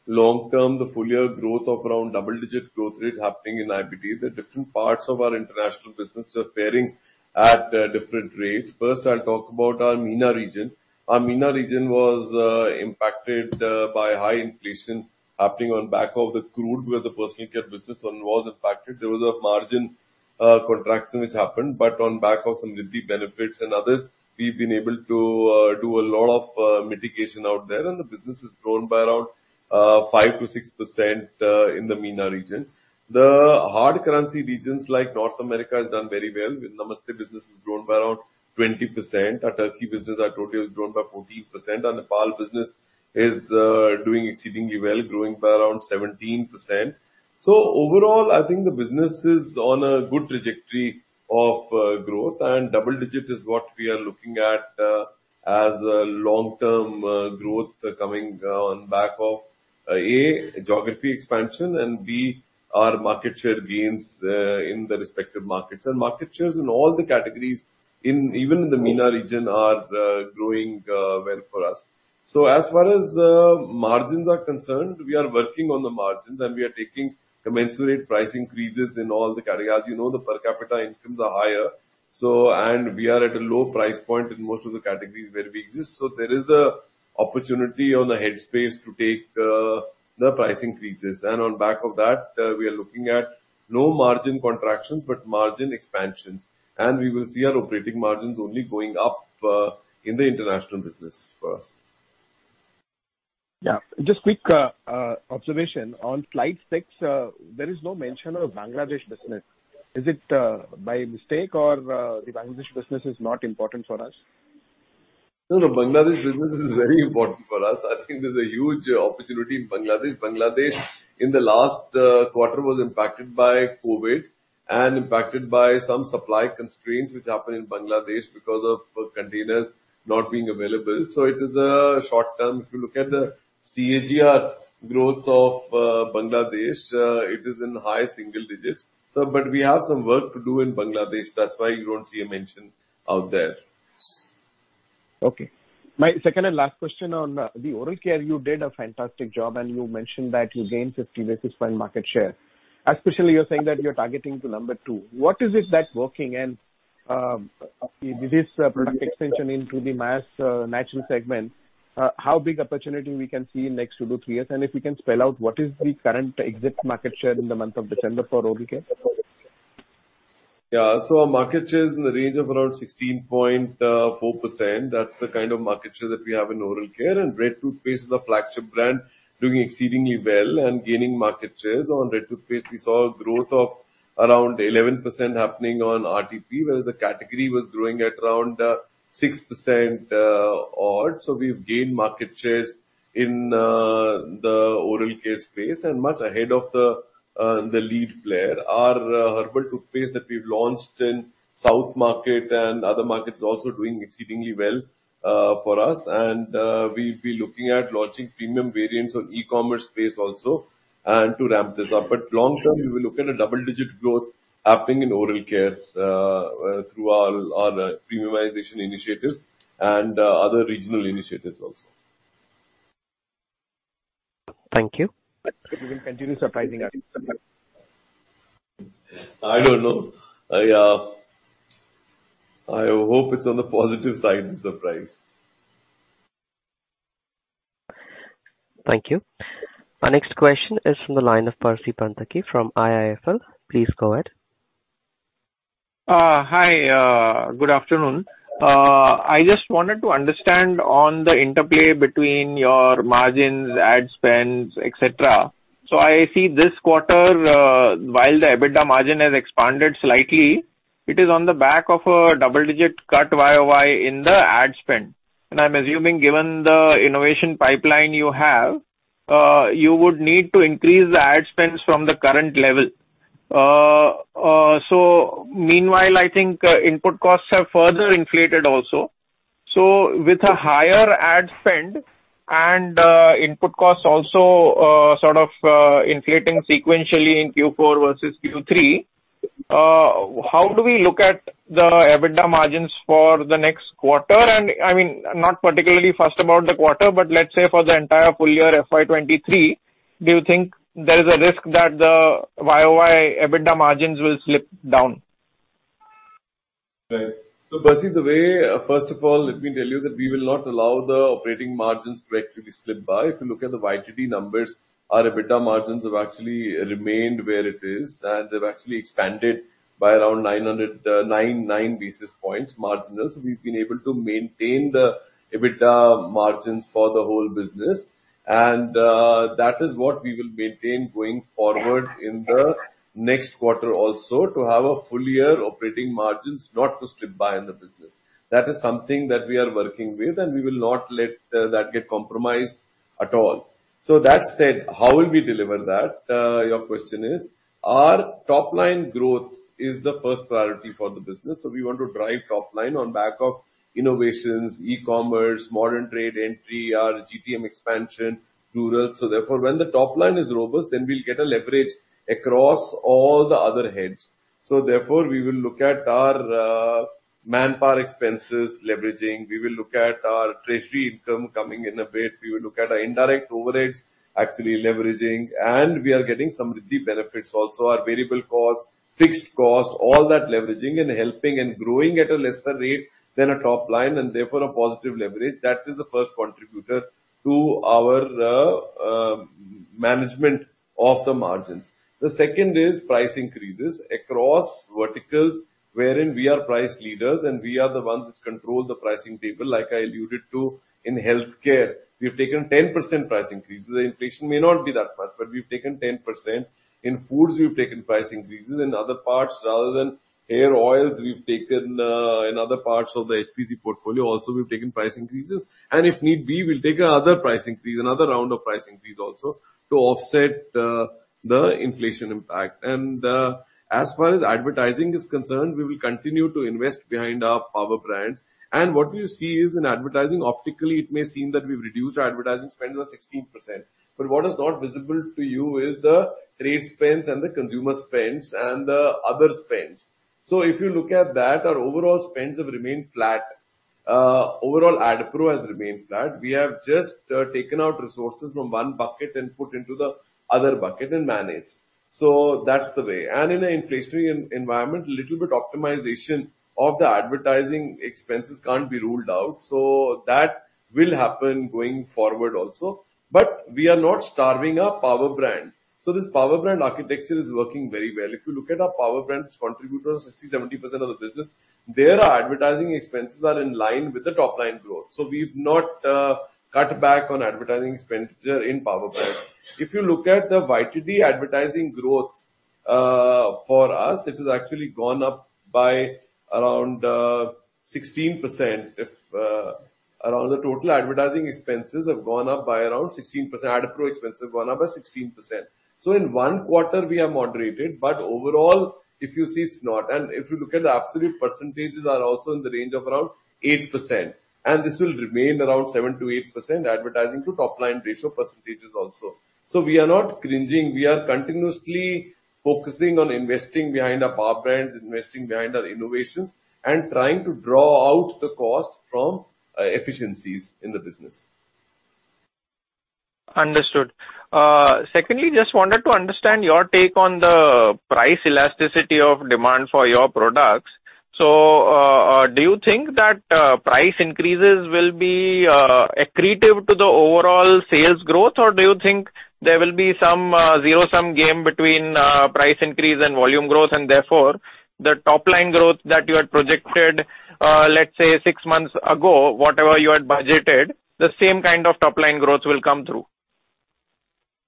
the full year growth of around double-digit growth rate happening in IBD. The different parts of our international business are faring at different rates. First, I'll talk about our MENA region. Our MENA region was impacted by high inflation happening on back of the crude. We as a personal care business was impacted. There was a margin contraction which happened, but on back of some R&D benefits and others, we've been able to do a lot of mitigation out there, and the business has grown by around 5%-6% in the MENA region. The hard currency regions like North America has done very well. The Namaste business has grown by around 20%. Our Turkey business I told you has grown by 14%. Our Nepal business is doing exceedingly well, growing by around 17%. Overall, I think the business is on a good trajectory of growth and double-digit is what we are looking at as a long-term growth coming on back of A, geography expansion and B, our market share gains in the respective markets. Market shares in all the categories in even in the MENA region are growing well for us. As far as margins are concerned, we are working on the margins and we are taking commensurate price increases in all the categories. You know, the per capita incomes are higher, so and we are at a low price point in most of the categories where we exist. There is an opportunity in the headroom to take the price increases. On the back of that, we are looking at no margin contraction but margin expansion. We will see our operating margins only going up in the international business for us. Yeah. Just quick observation. On slide 6, there is no mention of Bangladesh business. Is it by mistake or the Bangladesh business is not important for us? No, no, Bangladesh business is very important for us. I think there's a huge opportunity in Bangladesh. Bangladesh in the last quarter was impacted by COVID and impacted by some supply constraints which happened in Bangladesh because of containers not being available. It is a short-term. If you look at the CAGR growth of Bangladesh, it is in high single digits. But we have some work to do in Bangladesh, that's why you don't see a mention out there. Okay. My second and last question on the oral care. You did a fantastic job, and you mentioned that you gained 50 basis points market share. Especially you're saying that you're targeting to number two. What is it that's working? And this product extension into the mass natural segment, how big opportunity we can see in next 2-3 years? And if we can spell out what is the current exit market share in the month of December for oral care? Our market share is in the range of around 16.4%. That's the kind of market share that we have in oral care. Red Toothpaste is a flagship brand doing exceedingly well and gaining market shares. On Red Toothpaste we saw a growth of around 11% happening on RTP whereas the category was growing at around 6% odd. We've gained market shares in the oral care space and much ahead of the lead player. Our Herbal toothpaste that we've launched in South market and other markets also doing exceedingly well for us. We'll be looking at launching premium variants on e-commerce space also and to ramp this up. Long term, we will look at a double-digit growth happening in oral care through our premiumization initiatives and other regional initiatives also. Thank you. Hope you will continue surprising us. I don't know. I hope it's on the positive side of surprise. Thank you. Our next question is from the line of Percy Panthaki from IIFL. Please go ahead. Hi, good afternoon. I just wanted to understand on the interplay between your margins, ad spends, et cetera. I see this quarter, while the EBITDA margin has expanded slightly, it is on the back of a double-digit cut YOY in the ad spend. I'm assuming, given the innovation pipeline you have, you would need to increase the ad spends from the current level. Meanwhile, I think, input costs have further inflated also. With a higher ad spend and input costs also, sort of, inflating sequentially in Q4 versus Q3, how do we look at the EBITDA margins for the next quarter? I mean, not particularly fussed about the quarter, but let's say for the entire full year FY 2023, do you think there is a risk that the YOY EBITDA margins will slip down? Right. Percy, first of all, let me tell you that we will not allow the operating margins to actually slip by. If you look at the YTD numbers, our EBITDA margins have actually remained where it is, and they've actually expanded by around 99 basis points in margins. We've been able to maintain the EBITDA margins for the whole business. That is what we will maintain going forward in the next quarter also to have a full year operating margins not to slip by in the business. That is something that we are working with, and we will not let that get compromised at all. That said, how will we deliver that? Your question is, our top line growth is the first priority for the business. We want to drive top line on back of innovations, e-commerce, modern trade entry, our GPM expansion, rural. Therefore, when the top line is robust, then we'll get a leverage across all the other heads. Therefore, we will look at our manpower expenses, leveraging. We will look at our treasury income coming in a bit. We will look at our indirect overheads, actually leveraging. We are getting some benefits also. Our variable cost, fixed cost, all that leveraging and helping and growing at a lesser rate than a top line, and therefore a positive leverage. That is the first contributor to our management of the margins. The second is price increases across verticals wherein we are price leaders and we are the ones which control the pricing table, like I alluded to in healthcare. We've taken 10% price increases. The inflation may not be that much, but we've taken 10%. In foods, we've taken price increases. In other parts, rather than hair oils, we've taken in other parts of the HPC portfolio also, we've taken price increases. If need be, we'll take another price increase, another round of price increase also to offset the inflation impact. As far as advertising is concerned, we will continue to invest behind our power brands. What you see is in advertising, optically, it may seem that we've reduced our advertising spend by 16%. What is not visible to you is the trade spends and the consumer spends and the other spends. If you look at that, our overall spends have remained flat. Overall A&P has remained flat. We have just taken out resources from one bucket and put into the other bucket and managed. That's the way. In an inflationary environment, little bit optimization of the advertising expenses can't be ruled out. That will happen going forward also. We are not starving our power brands. This power brand architecture is working very well. If you look at our power brands contributors, 60%-70% of the business, their advertising expenses are in line with the top line growth. We've not cut back on advertising expenditure in power brands. If you look at the YTD advertising growth, for us, it has actually gone up by around 16%. Overall, the total advertising expenses have gone up by around 16%. A&P expenses have gone up by 16%. In one quarter we have moderated, but overall, if you see, it's not. If you look at the absolute percentages are also in the range of around 8%. This will remain around 7%-8% advertising to top line ratio percentages also. We are not cringing. We are continuously focusing on investing behind our power brands, investing behind our innovations, and trying to draw out the cost from efficiencies in the business. Understood. Secondly, just wanted to understand your take on the price elasticity of demand for your products. Do you think that price increases will be accretive to the overall sales growth? Or do you think there will be some zero-sum game between price increase and volume growth, and therefore the top line growth that you had projected, let's say 6 months ago, whatever you had budgeted, the same kind of top line growth will come through?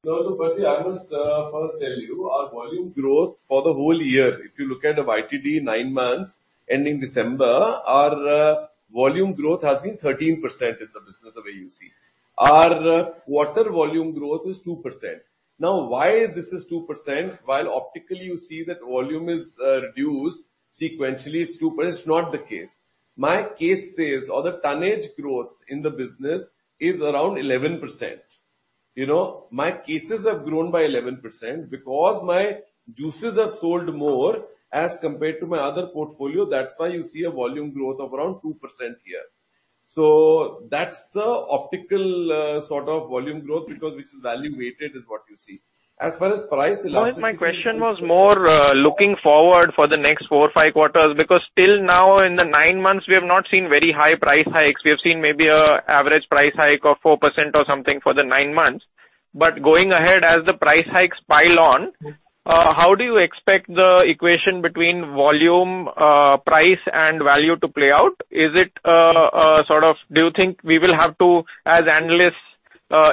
No, Percy, I must first tell you our volume growth for the whole year. If you look at the YTD 9 months ending December, our volume growth has been 13% in the business the way you see. Our quarter volume growth is 2%. Now, why this is 2%, while optically you see that volume is reduced sequentially, it's not the case. My case sales or the tonnage growth in the business is around 11%. You know, my cases have grown by 11% because my juices have sold more as compared to my other portfolio. That's why you see a volume growth of around 2% here. That's the optical sort of volume growth, because which is value weighted is what you see. As far as price elasticity. No, my question was more looking forward for the next four or five quarters, because till now in the 9 months, we have not seen very high price hikes. We have seen maybe an average price hike of 4% or something for the 9 months. But going ahead as the price hikes pile on, how do you expect the equation between volume, price, and value to play out? Is it sort of do you think we will have to, as analysts,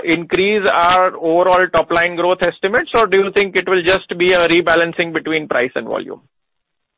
increase our overall top line growth estimates? Or do you think it will just be a rebalancing between price and volume?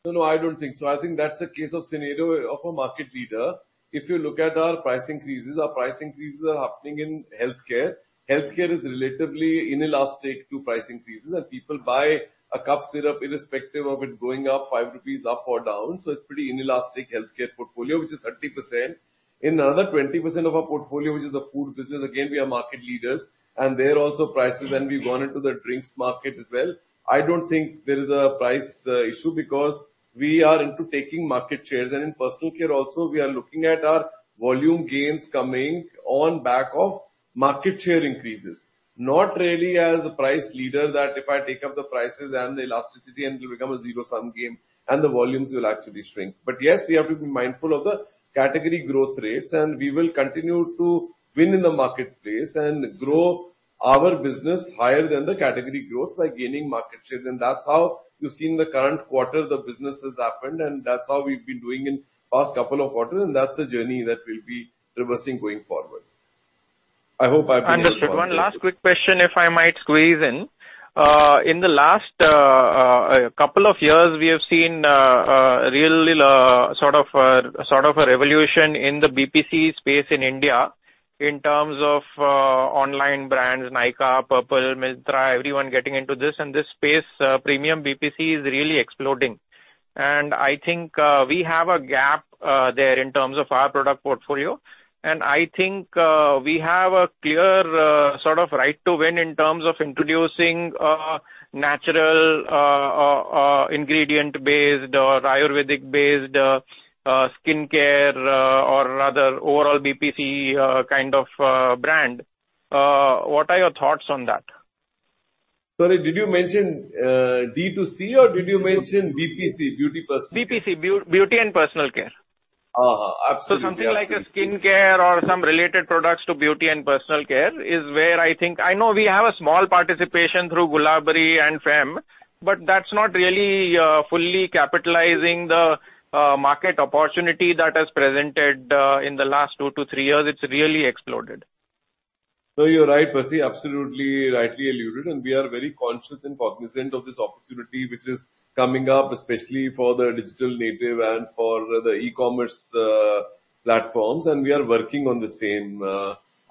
No, I don't think so. I think that's a case of scenario of a market leader. If you look at our price increases, they are happening in healthcare. Healthcare is relatively inelastic to price increases, and people buy a cough syrup irrespective of it going up 5 rupees or down. It's pretty inelastic healthcare portfolio, which is 30%. In another 20% of our portfolio, which is the food business, again, we are market leaders, and there also prices, and we've gone into the drinks market as well. I don't think there is a price issue because we are into taking market shares. In personal care also, we are looking at our volume gains coming on back of market share increases. Not really as a price leader that if I take up the prices and the elasticity and it will become a zero-sum game and the volumes will actually shrink. Yes, we have to be mindful of the category growth rates, and we will continue to win in the marketplace and grow our business higher than the category growth by gaining market share. That's how you've seen the current quarter the business has happened, and that's how we've been doing in past couple of quarters, and that's a journey that we'll be traversing going forward. I hope I've been able to answer. Understood. One last quick question, if I might squeeze in. In the last couple of years, we have seen a really sort of a revolution in the BPC space in India in terms of online brands, Nykaa, Purplle, Myntra, everyone getting into this. In this space, premium BPC is really exploding. I think we have a gap there in terms of our product portfolio. I think we have a clear sort of right to win in terms of introducing natural ingredient-based or Ayurvedic-based skincare or rather overall BPC kind of brand. What are your thoughts on that? Sorry, did you mention D2C or did you mention BPC, beauty personal care? BPC, beauty and personal care. Absolutely. Absolutely. Something like a skincare or some related products to beauty and personal care is where I think I know we have a small participation through Gulabari and Fem, but that's not really fully capitalizing the market opportunity that has presented in the last 2-3 years. It's really exploded. No, you're right, Percy. Absolutely rightly alluded, and we are very conscious and cognizant of this opportunity which is coming up, especially for the digital native and for the e-commerce platforms. We are working on the same,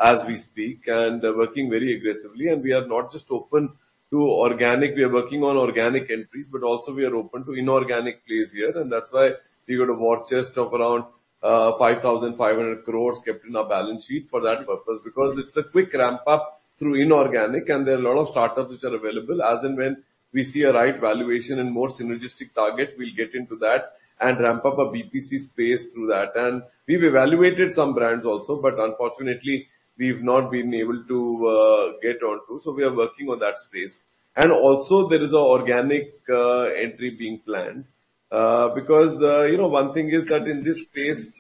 as we speak, and working very aggressively. We are not just open to organic. We are working on organic entries, but also we are open to inorganic plays here. That's why we've got a war chest of around 5,500 crore kept in our balance sheet for that purpose, because it's a quick ramp-up through inorganic and there are a lot of startups which are available. As and when we see a right valuation and more synergistic target, we'll get into that and ramp up our BPC space through that. We've evaluated some brands also, but unfortunately, we've not been able to get onto. We are working on that space. There is an organic entry being planned. Because you know, one thing is that in this space,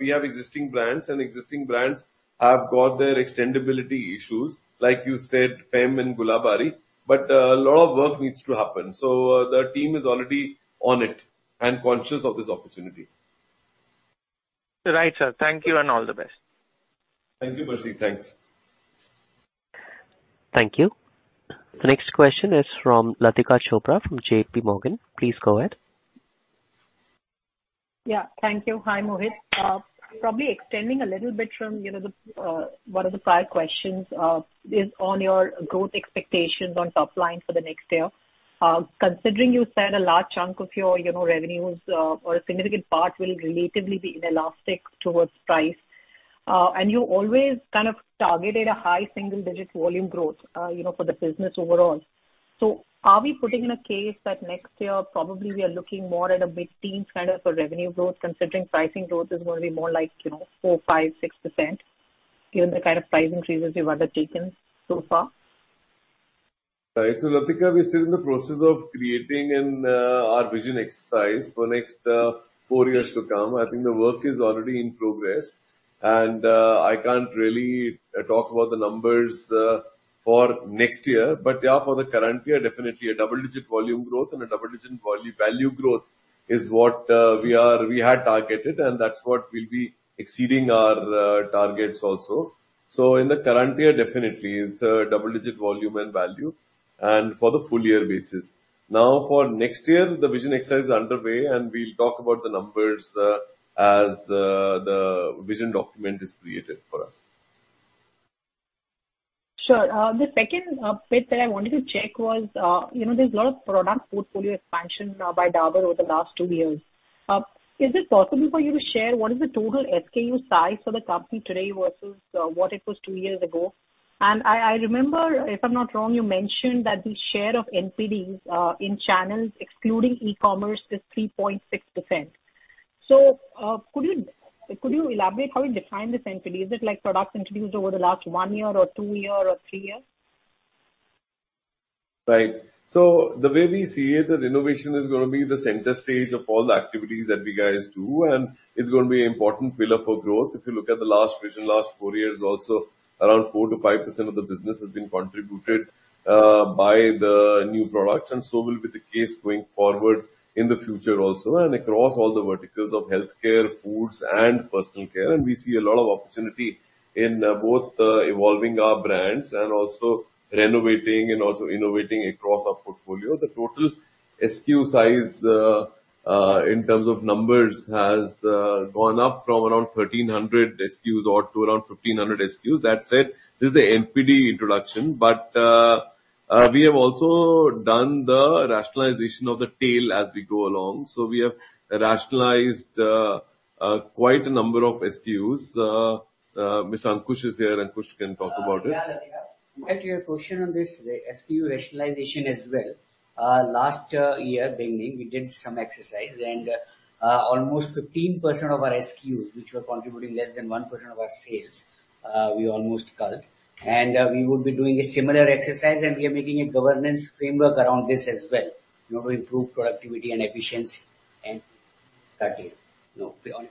we have existing brands, and existing brands have got their extendibility issues, like you said, Fem and Gulabari. A lot of work needs to happen. The team is already on it and conscious of this opportunity. Right, sir. Thank you and all the best. Thank you, Percy. Thanks. Thank you. The next question is from Latika Chopra from JPMorgan. Please go ahead. Yeah. Thank you. Hi, Mohit. Probably extending a little bit from, you know, the one of the prior questions is on your growth expectations on top line for the next year. Considering you said a large chunk of your, you know, revenues or a significant part will relatively be inelastic towards price. You always kind of targeted a high single digit volume growth, you know, for the business overall. Are we putting in a case that next year probably we are looking more at a mid-teen kind of a revenue growth, considering pricing growth is going to be more like, you know, 4%, 5%, 6%, given the kind of price increases you've undertaken so far? Right. Latika, we're still in the process of creating our vision exercise for next 4 years to come. I think the work is already in progress, and I can't really talk about the numbers for next year. Yeah, for the current year, definitely a double-digit volume growth and a double-digit value growth is what we had targeted, and that's what we'll be exceeding our targets also. In the current year, definitely it's a double-digit volume and value, and for the full year basis. Now, for next year, the vision exercise is underway, and we'll talk about the numbers as the vision document is created for us. Sure. The second bit that I wanted to check was, you know, there's a lot of product portfolio expansion by Dabur over the last 2 years. Is it possible for you to share what is the total SKU size for the company today versus what it was 2 years ago? I remember, if I'm not wrong, you mentioned that the share of NCDs in channels excluding e-commerce is 3.6%. Could you elaborate how you define this NPD? Is it like products introduced over the last 1 year or 2 year or 3 years? Right. The way we see it, that innovation is gonna be the center stage of all the activities that we guys do, and it's gonna be an important pillar for growth. If you look at the last vision, last 4 years also, around 4%-5% of the business has been contributed by the new products, and so will be the case going forward in the future also, and across all the verticals of Healthcare, Foods and Personal Care. We see a lot of opportunity in both evolving our brands and also renovating and also innovating across our portfolio. The total SKU size in terms of numbers has gone up from around 1,300 SKUs or to around 1,500 SKUs. That said, this is the NPD introduction, but we have also done the rationalization of the tail as we go along. We have rationalized quite a number of SKUs. Mr. Ankush is here. Ankush can talk about it. Yeah, Latika. To add to your question on this, the SKU rationalization as well, last year beginning, we did some exercise and almost 15% of our SKUs, which were contributing less than 1% of our sales, we almost culled. We would be doing a similar exercise, and we are making a governance framework around this as well in order to improve productivity and efficiency and cut it, you know, beyond.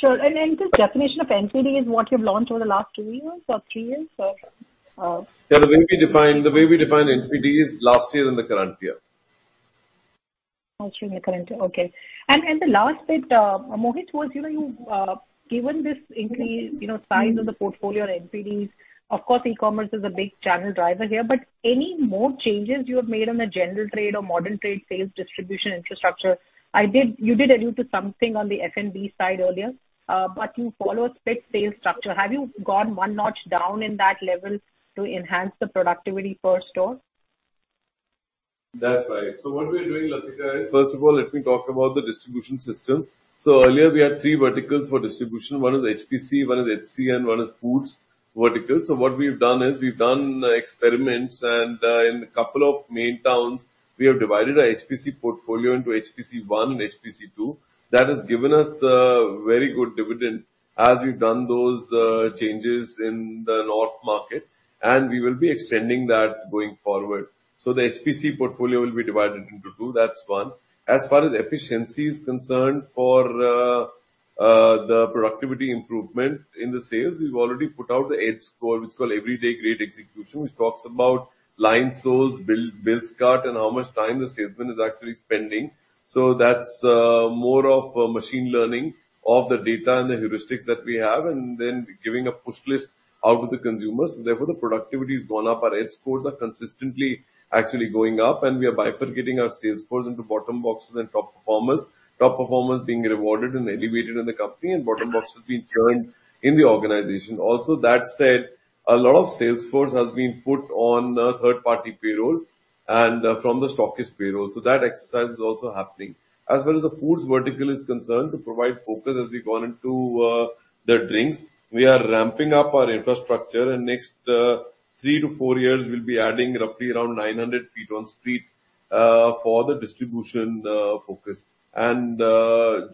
Sure. This definition of NPD is what you've launched over the last 2 years or 3 years. Yeah. The way we define NPD is last year and the current year. Also in the current year. Okay. The last bit, Mohit, was you know, you've given this increase, you know, size of the portfolio and CPDs, of course e-commerce is a big channel driver here, but any more changes you have made on the general trade or modern trade sales distribution infrastructure? You did allude to something on the F&B side earlier, but you follow a split sales structure. Have you gone one notch down in that level to enhance the productivity per store? That's right. What we are doing, Latika, is first of all, let me talk about the distribution system. Earlier we had three verticals for distribution. One is HPC, one is HC, and one is foods vertical. What we've done is we've done experiments and in a couple of main towns, we have divided our HPC portfolio into HPC one and HPC two. That has given us very good dividend as we've done those changes in the North market, and we will be extending that going forward. The HPC portfolio will be divided into two. That's one. As far as efficiency is concerned for the productivity improvement in the sales, we've already put out the EDGE score. It's called Everyday Great Execution, which talks about line source, build cart, and how much time the salesman is actually spending. That's more of a machine learning of the data and the heuristics that we have and then giving a push list out to the consumers. Therefore, the productivity has gone up. Our EDGE scores are consistently actually going up, and we are bifurcating our sales force into bottom boxes and top performers. Top performers being rewarded and elevated in the company and bottom box has been joined in the organization also. That said, a lot of sales force has been put on third-party payroll and from the stockist payroll, so that exercise is also happening. As far as the foods vertical is concerned to provide focus as we go on into the drinks. We are ramping up our infrastructure and next 3 to 4 years we'll be adding roughly around 900 ft on street for the distribution focus.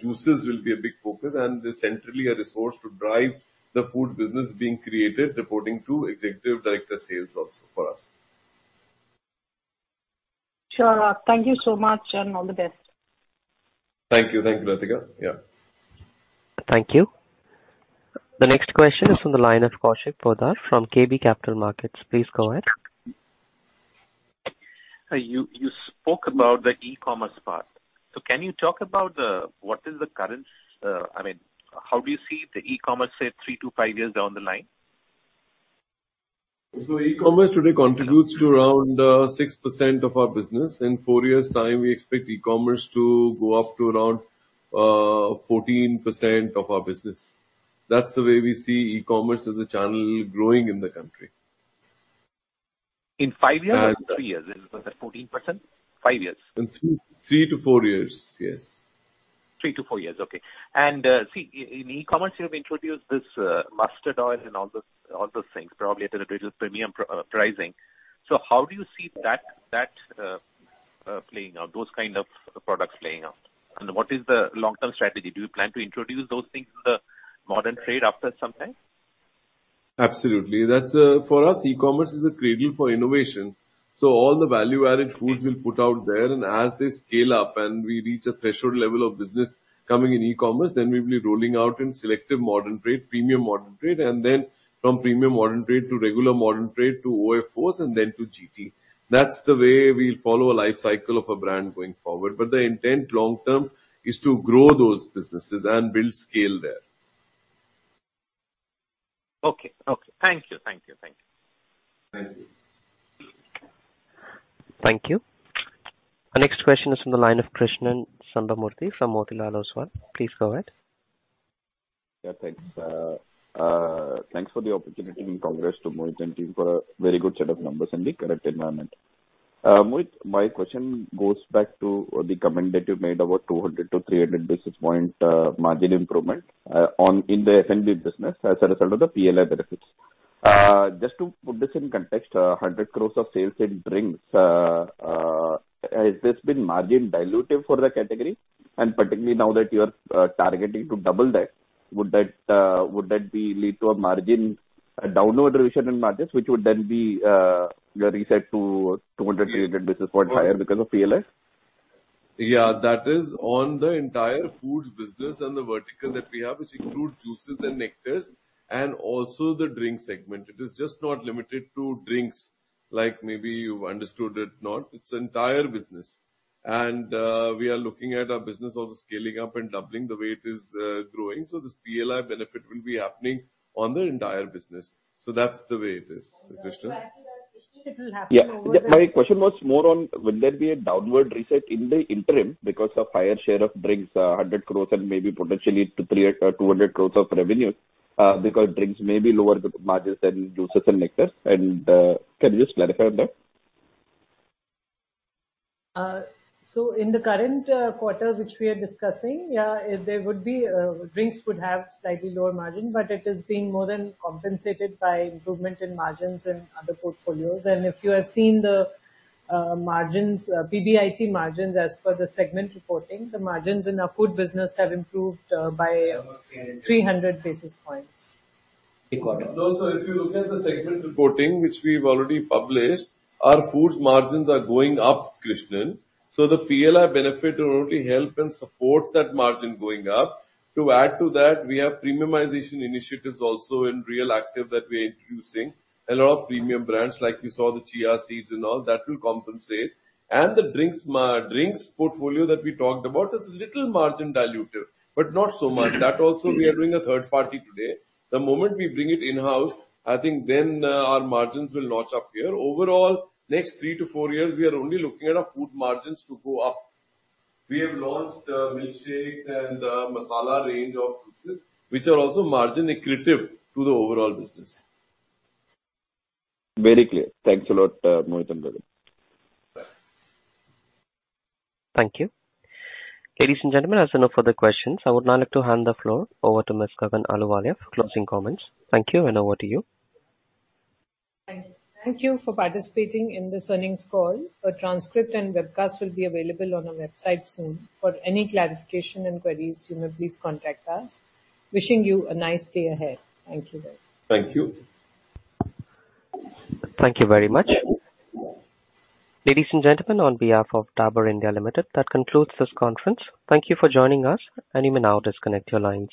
Juices will be a big focus and essentially a resource to drive the food business being created, reporting to Executive Director, Sales also for us. Sure. Thank you so much, and all the best. Thank you. Thank you, Latika. Yeah. Thank you. The next question is from the line of Kaushik Poddar from KB Capital Markets. Please go ahead. You spoke about the e-commerce part. Can you talk about, I mean, how do you see the e-commerce say 3-5 years down the line? E-commerce today contributes to around 6% of our business. In 4 years' time, we expect e-commerce to go up to around 14% of our business. That's the way we see e-commerce as a channel growing in the country. In 5 years or 3 years? Is that 14%? 5 years. In 3-4 years. Yes. 3-4 years. Okay. See in e-commerce, you have introduced this mustard oil and all those things, probably at a little bit of premium pricing. How do you see that playing out, those kind of products playing out? What is the long-term strategy? Do you plan to introduce those things in the modern trade after some time? Absolutely. That's, for us, e-commerce is a cradle for innovation, so all the value-added foods we'll put out there, and as they scale up and we reach a threshold level of business coming in e-commerce, then we'll be rolling out in selective modern trade, premium modern trade, and then from premium modern trade to regular modern trade to OFOs and then to GT. That's the way we'll follow a life cycle of a brand going forward. The intent long term is to grow those businesses and build scale there. Okay. Thank you. Thank you. Thank you. Our next question is from the line of Krishnan Sambamoorthy from Motilal Oswal. Please go ahead. Yeah, thanks for the opportunity and congrats to Mohit and team for a very good set of numbers in the current environment. Mohit, my question goes back to the comment that you made about 200-300 basis point margin improvement in the F&B business as a result of the PLI benefits. Just to put this in context, 100 crore of sales in drinks has this been margin dilutive for the category? And particularly now that you are targeting to double that, would that lead to a margin, a downward revision in margins, which would then be reset to 200-300 basis point higher because of PLI? Yeah. That is on the entire foods business and the vertical that we have, which include juices and nectars and also the drink segment. It is just not limited to drinks like maybe you've understood it not. It's entire business. We are looking at our business also scaling up and doubling the way it is, growing. This PLI benefit will be happening on the entire business. That's the way it is, Krishnan. Yeah. My question was more on will there be a downward reset in the interim because of higher share of drinks, 100 crore and maybe potentially to 300 crore of revenue, because drinks may be lower margins than juices and nectars? Can you just clarify on that? So in the current quarter which we are discussing, there would be drinks would have slightly lower margin, but it is being more than compensated by improvement in margins in other portfolios. If you have seen the margins, PBIT margins as per the segment reporting, the margins in our food business have improved by 300 basis points. If you look at the segment reporting, which we've already published, our foods margins are going up, Krishnan. The PLI benefit will only help and support that margin going up. To add to that, we have premiumization initiatives also in Réal Activ that we're introducing, a lot of premium brands like you saw the chia seeds and all, that will compensate. The drinks portfolio that we talked about is a little margin dilutive, but not so much. That also we are doing a third party today. The moment we bring it in-house, I think then our margins will notch up here. Overall, next 3-4 years, we are only looking at our food margins to go up. We have launched milkshakes and masala range of juices, which are also margin accretive to the overall business. Very clear. Thanks a lot, Mohit and Gagan. Thank you. Ladies and gentlemen, as there are no further questions, I would now like to hand the floor over to Miss Gagan Ahluwalia for closing comments. Thank you, and over to you. Thank you for participating in this earnings call. A transcript and webcast will be available on our website soon. For any clarification and queries, you may please contact us. Wishing you a nice day ahead. Thank you. Thank you. Thank you very much. Ladies and gentlemen, on behalf of Dabur India Limited, that concludes this conference. Thank you for joining us, and you may now disconnect your lines.